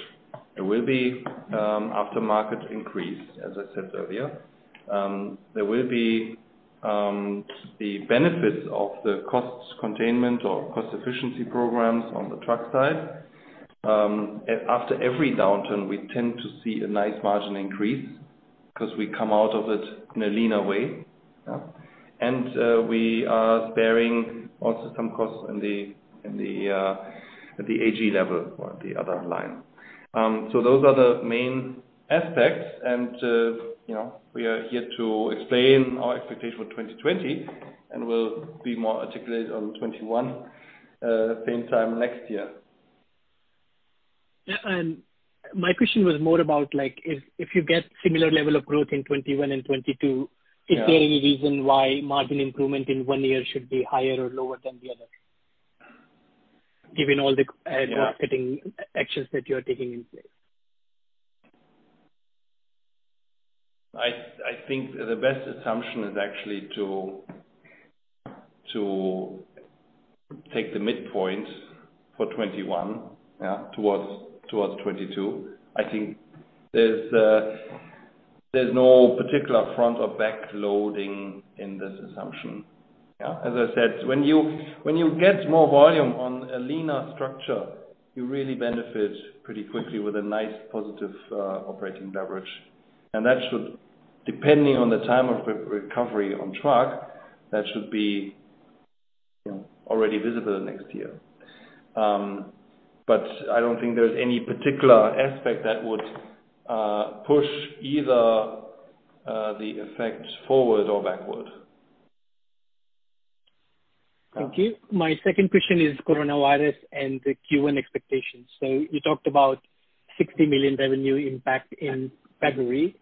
There will be aftermarket increase, as I said earlier. There will be the benefits of the costs containment or cost efficiency programs on the truck side. After every downturn, we tend to see a nice margin increase because we come out of it in a leaner way. Yeah. We are sparing also some costs in the AG level or the other line. Those are the main aspects and we are here to explain our expectation for 2020, and we'll be more articulate on 2021 same time next year. Yeah. My question was more about if you get similar level of growth in 2021 and 2022? Yeah Is there any reason why margin improvement in one year should be higher or lower than the other? Yeah marketing actions that you're taking in place. I think the best assumption is actually to take the midpoint for 2021 towards 2022. I think there's no particular front or backloading in this assumption. As I said, when you get more volume on a leaner structure, you really benefit pretty quickly with a nice positive operating leverage. That should, depending on the time of recovery on truck, that should be already visible next year. I don't think there's any particular aspect that would push either the effect forward or backward. Okay. My second question is coronavirus and the Q1 expectations. You talked about 60 million revenue impact in February,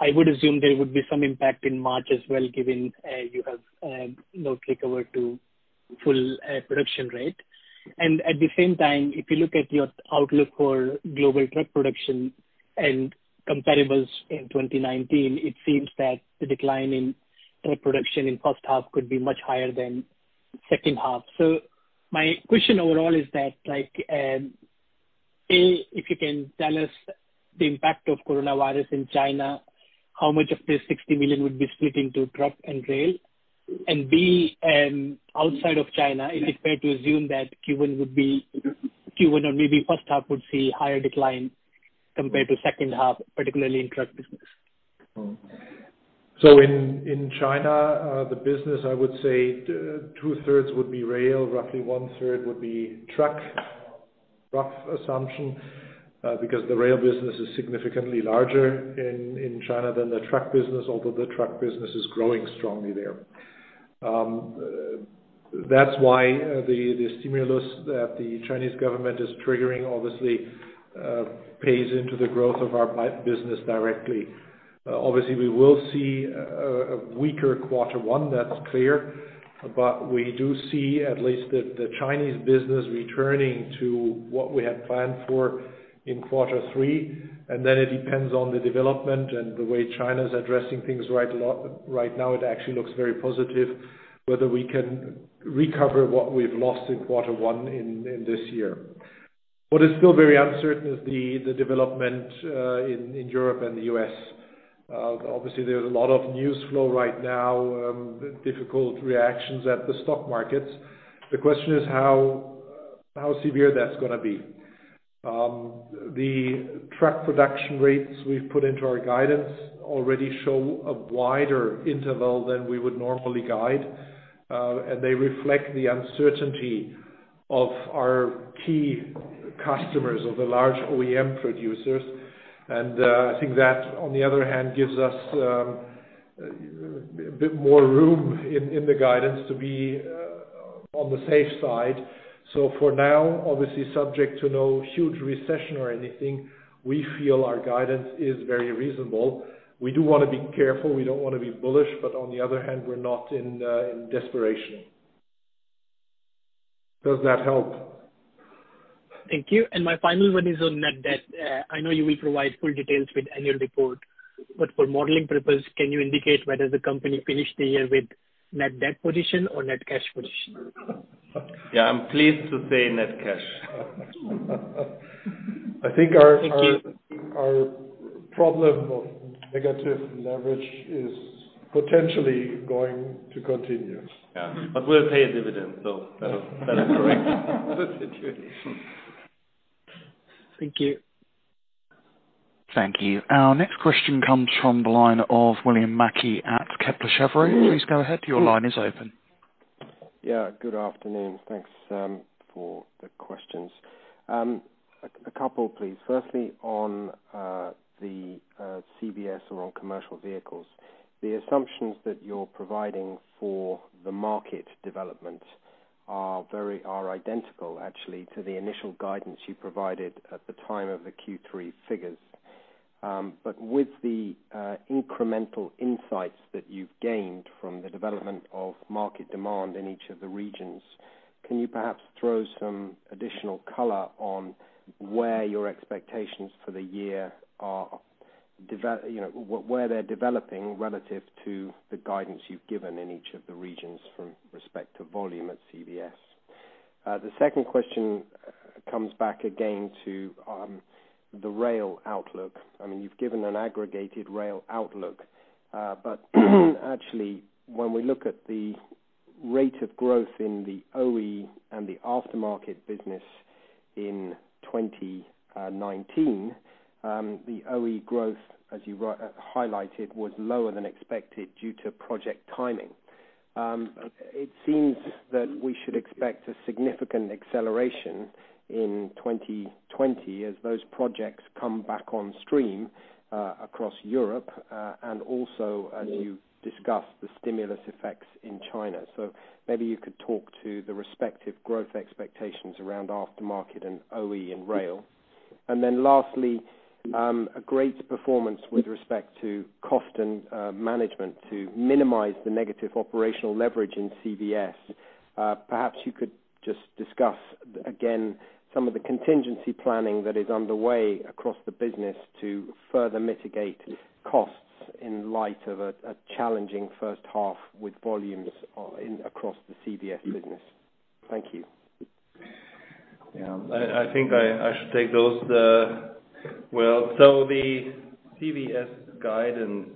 I would assume there would be some impact in March as well, given you have not recovered to full production rate. At the same time, if you look at your outlook for global truck production and comparables in 2019, it seems that the decline in truck production in first half could be much higher than second half. My question overall is that, A, if you can tell us the impact of coronavirus in China, how much of this 60 million would be split into truck and rail? B, outside of China, is it fair to assume that Q1 or maybe first half would see higher decline compared to second half, particularly in truck business? In China, the business, I would say two-thirds would be rail, roughly one-third would be truck. Rough assumption, because the rail business is significantly larger in China than the truck business, although the truck business is growing strongly there. That's why the stimulus that the chinese government is triggering obviously pays into the growth of our business directly. Obviously, we will see a weaker quarter one, that's clear. We do see at least the Chinese business returning to what we had planned for in quarter three. It depends on the development and the way China's addressing things right now, it actually looks very positive, whether we can recover what we've lost in quarter one in this year. What is still very uncertain is the development in Europe and the U.S. Obviously, there's a lot of news flow right now, difficult reactions at the stock markets. The question is how severe that's going to be. The truck production rates we've put into our guidance already show a wider interval than we would normally guide. They reflect the uncertainty of our key customers of the large OEM producers. I think that, on the other hand, gives us a bit more room in the guidance to be- On the safe side. For now, obviously subject to no huge recession or anything, we feel our guidance is very reasonable. We do want to be careful. We don't want to be bullish, but on the other hand, we're not in desperation. Does that help? Thank you. My final one is on net debt. I know you will provide full details with annual report, but for modeling purpose, can you indicate whether the company finished the year with net debt position or net cash position? Yeah, I'm pleased to say net cash. I think our- Thank you. Our problem of negative leverage is potentially going to continue. Yeah. We'll pay a dividend, so that'll correct the situation. Thank you. Thank you. Our next question comes from the line of William Mackie at Kepler Cheuvreux. Please go ahead. Your line is open. Good afternoon. Thanks for the questions. A couple, please. On the CVS or on commercial vehicles. The assumptions that you're providing for the market development are identical actually to the initial guidance you provided at the time of the Q3 figures. With the incremental insights that you've gained from the development of market demand in each of the regions, can you perhaps throw some additional color on where your expectations for the year are, where they're developing relative to the guidance you've given in each of the regions from respect to volume at CVS? The second question comes back again to the rail outlook. You've given an aggregated rail outlook. Actually, when we look at the rate of growth in the OE and the aftermarket business in 2019, the OE growth, as you highlighted, was lower than expected due to project timing. It seems that we should expect a significant acceleration in 2020 as those projects come back on stream across Europe, and also as you discussed, the stimulus effects in China. Maybe you could talk to the respective growth expectations around aftermarket and OE in rail. Lastly, a great performance with respect to cost and management to minimize the negative operational leverage in CVS. Perhaps you could just discuss again some of the contingency planning that is underway across the business to further mitigate costs in light of a challenging first half with volumes across the CVS business. Thank you. I think I should take those. The CVS guidance,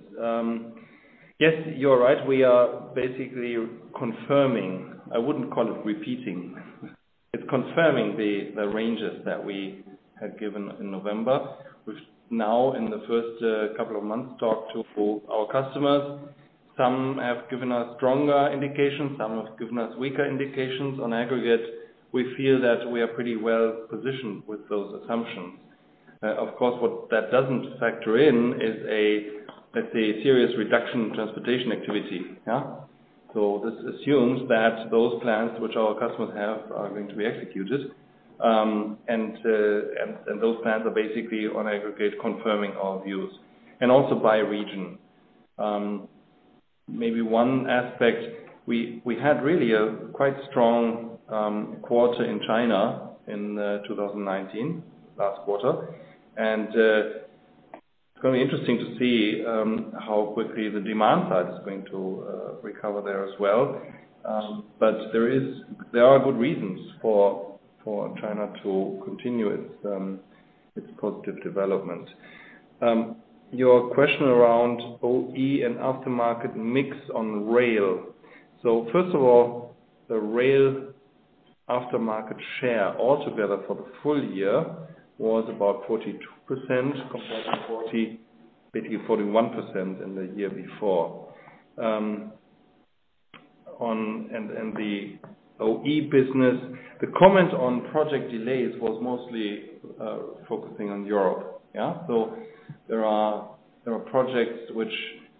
yes, you're right. We are basically confirming, I wouldn't call it repeating. It's confirming the ranges that we had given in November. We've now, in the first couple of months, talked to our customers. Some have given us stronger indications, some have given us weaker indications. On aggregate, we feel that we are pretty well-positioned with those assumptions. Of course, what that doesn't factor in is a, let's say, serious reduction in transportation activity. This assumes that those plans which our customers have are going to be executed. Those plans are basically on aggregate confirming our views and also by region. Maybe one aspect, we had really a quite strong quarter in China in 2019, last quarter. It's going to be interesting to see how quickly the demand side is going to recover there as well. There are good reasons for China to continue its positive development. Your question around OE and aftermarket mix on rail. First of all, the rail aftermarket share altogether for the full year was about 42%, compared to basically 41%, in the year before. The OE business, the comment on project delays was mostly focusing on Europe. There are projects which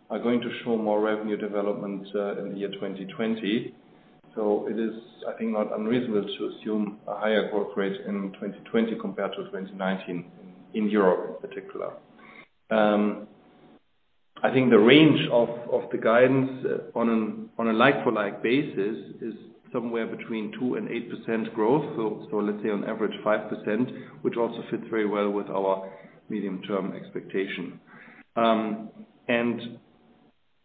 are going to show more revenue development in the year 2020. It is, I think, not unreasonable to assume a higher growth rate in 2020 compared to 2019 in Europe in particular. I think the range of the guidance on a like-for-like basis is somewhere between 2%-8%, growth. Let's say on average 5%, which also fits very well with our medium-term expectation.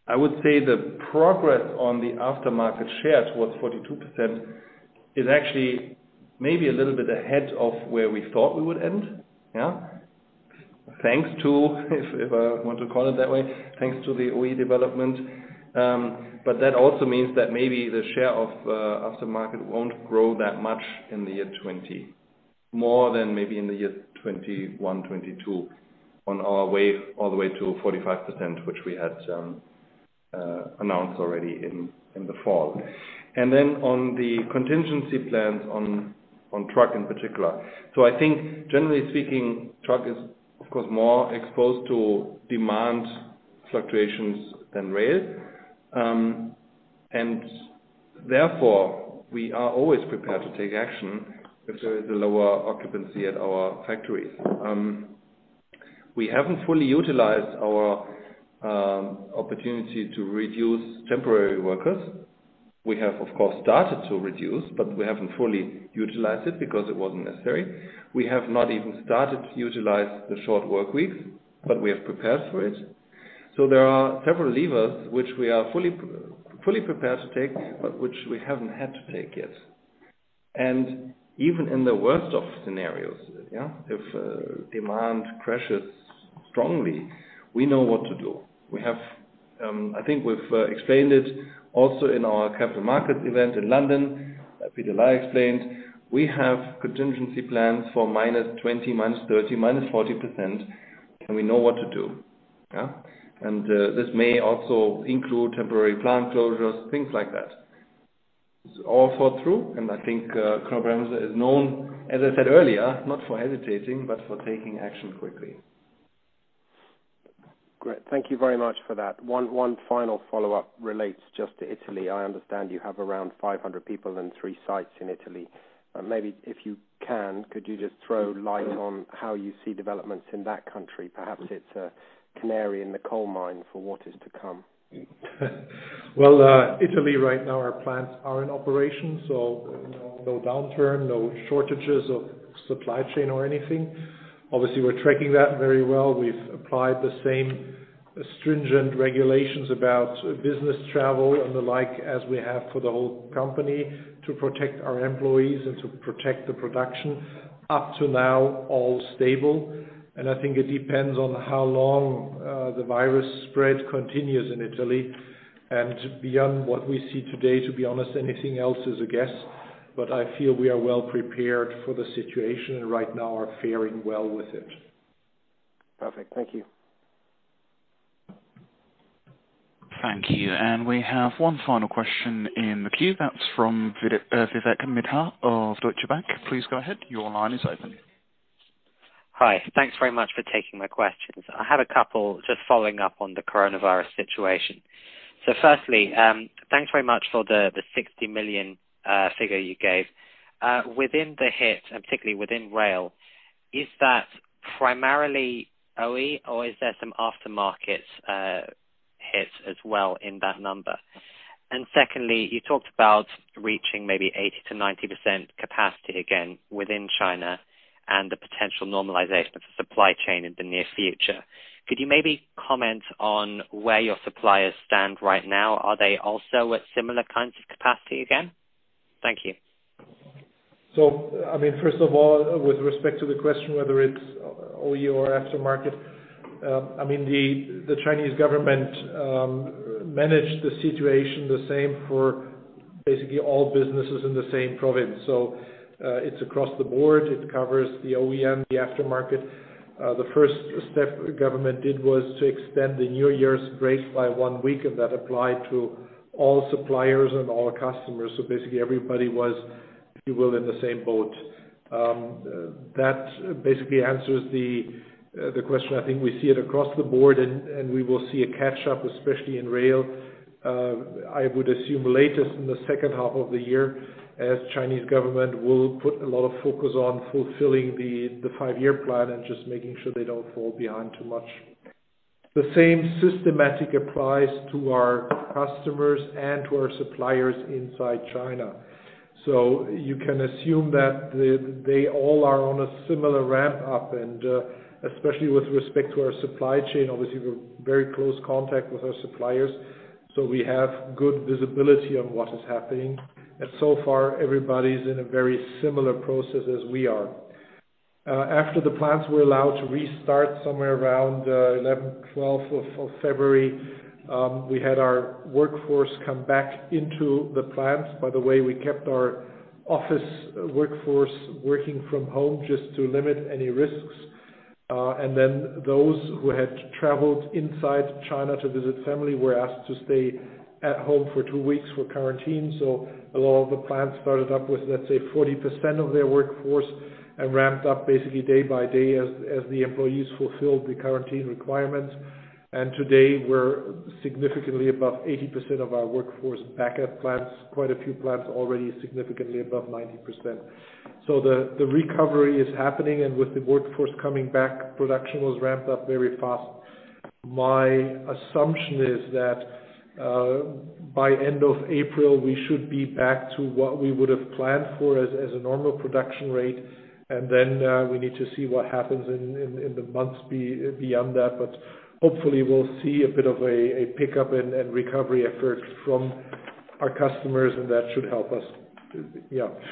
I would say the progress on the aftermarket share towards 42%, is actually maybe a little bit ahead of where we thought we would end. Thanks to, if I want to call it that way, thanks to the OE development. That also means that maybe the share of aftermarket won't grow that much in the year 2020, more than maybe in the year 2021, 2022 on our way all the way to 45%, which we had announced already in the fall. On the contingency plans on truck in particular. I think generally speaking, truck is of course more exposed to demand fluctuations than rail. Therefore, we are always prepared to take action if there is a lower occupancy at our factories. We haven't fully utilized our opportunity to reduce temporary workers. We have, of course, started to reduce, but we haven't fully utilized it because it wasn't necessary. We have not even started to utilize the short workweek, but we have prepared for it. There are several levers which we are fully prepared to take, but which we haven't had to take yet. Even in the worst of scenarios, if demand crashes strongly, we know what to do. I think we've explained it also in our capital markets event in London, Peter Laier explained, we have contingency plans for minus 20, minus 30, minus 40%, and we know what to do. This may also include temporary plant closures, things like that. It's all thought through, and I think Knorr-Bremse is known, as I said earlier, not for hesitating, but for taking action quickly. Great. Thank you very much for that. One final follow-up relates just to Italy. I understand you have around 500 people in three sites in Italy. Maybe if you can, could you just throw light on how you see developments in that country? Perhaps it's a canary in the coal mine for what is to come. Well, Italy right now, our plants are in operation, so no downturn, no shortages of supply chain or anything. Obviously, we're tracking that very well. We've applied the same stringent regulations about business travel and the like as we have for the whole company to protect our employees and to protect the production. Up to now, all stable. I think it depends on how long the virus spread continues in Italy and beyond what we see today, to be honest, anything else is a guess, but I feel we are well prepared for the situation, and right now are faring well with it. Perfect. Thank you. Thank you. We have one final question in the queue. That's from Vivek Midha of Deutsche Bank. Please go ahead. Your line is open. Hi. Thanks very much for taking my questions. I have a couple just following up on the coronavirus situation. Firstly, thanks very much for the 60 million figure you gave. Within the hit, and particularly within rail, is that primarily OE or is there some aftermarket hit as well in that number? Secondly, you talked about reaching maybe 80%-90%, capacity again within China and the potential normalization of the supply chain in the near future. Could you maybe comment on where your suppliers stand right now? Are they also at similar kinds of capacity again? Thank you. First of all, with respect to the question, whether it is OE or aftermarket, the Chinese government managed the situation the same for basically all businesses in the same province. It is across the board. It covers the OEM, the aftermarket. The first step the government did was to extend the New Year's break by one week, and that applied to all suppliers and all customers. Basically, everybody was, if you will, in the same boat. That basically answers the question. I think we see it across the board and we will see a catch-up, especially in rail. I would assume latest in the second half of the year, as Chinese government will put a lot of focus on fulfilling the five-year plan and just making sure they do not fall behind too much. The same system applies to our customers and to our suppliers inside China. You can assume that they all are on a similar ramp-up, and especially with respect to our supply chain, obviously, we're very close contact with our suppliers, so we have good visibility on what is happening. So far, everybody's in a very similar process as we are. After the plants were allowed to restart somewhere around 11th, 12th of February, we had our workforce come back into the plants. By the way, we kept our office workforce working from home just to limit any risks. Then those who had traveled inside China to visit family were asked to stay at home for two weeks for quarantine. A lot of the plants started up with, let's say, 40%, of their workforce and ramped up basically day by day as the employees fulfilled the quarantine requirements. Today, we're significantly above 80%, of our workforce back at plants. Quite a few plants already significantly above 90%. The recovery is happening and with the workforce coming back, production was ramped up very fast. My assumption is that by end of April, we should be back to what we would have planned for as a normal production rate, and then we need to see what happens in the months beyond that. Hopefully we'll see a bit of a pickup and recovery effort from our customers and that should help us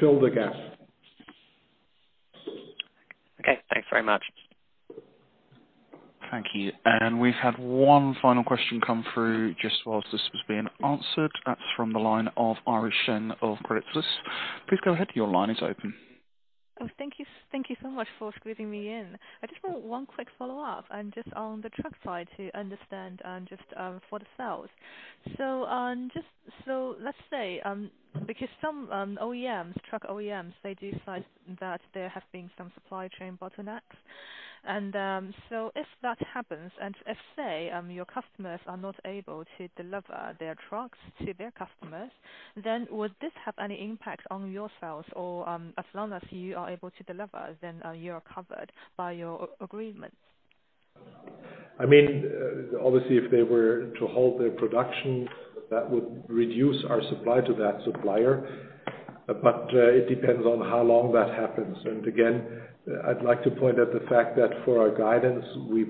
fill the gap. Okay. Thanks very much. Thank you. We've had one final question come through just while this was being answered. That's from the line of Iris Zheng of Credit Suisse. Please go ahead. Your line is open. Oh, thank you so much for squeezing me in. I just want one quick follow-up and just on the truck side to understand and just for the sales. Let's say, because some truck OEMs, they do cite that there have been some supply chain bottlenecks. If that happens, and if, say, your customers are not able to deliver their trucks to their customers, then would this have any impact on your sales or, as long as you are able to deliver, then you are covered by your agreements? Obviously, if they were to halt their production, that would reduce our supply to that supplier, but it depends on how long that happens. Again, I'd like to point out the fact that for our guidance, we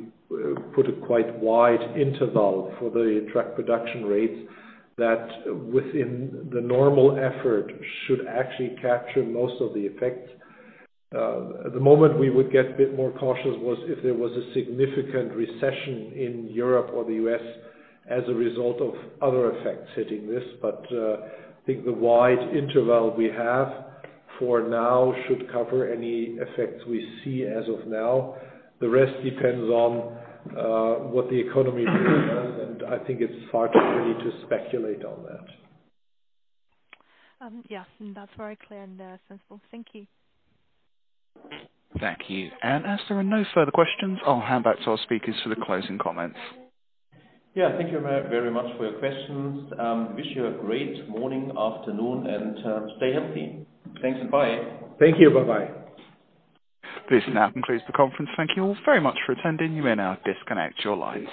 put a quite wide interval for the truck production rates that within the normal effort should actually capture most of the effects. The moment we would get a bit more cautious was if there was a significant recession in Europe or the U.S. as a result of other effects hitting this. I think the wide interval we have for now should cover any effects we see as of now. The rest depends on what the economy will do. I think it's far too early to speculate on that. Yeah. That's very clear and sensible. Thank you. Thank you. As there are no further questions, I'll hand back to our speakers for the closing comments. Thank you very much for your questions. Wish you a great morning, afternoon, and stay healthy. Thanks and bye. Thank you. Bye-bye. This now concludes the conference. Thank you all very much for attending. You may now disconnect your lines.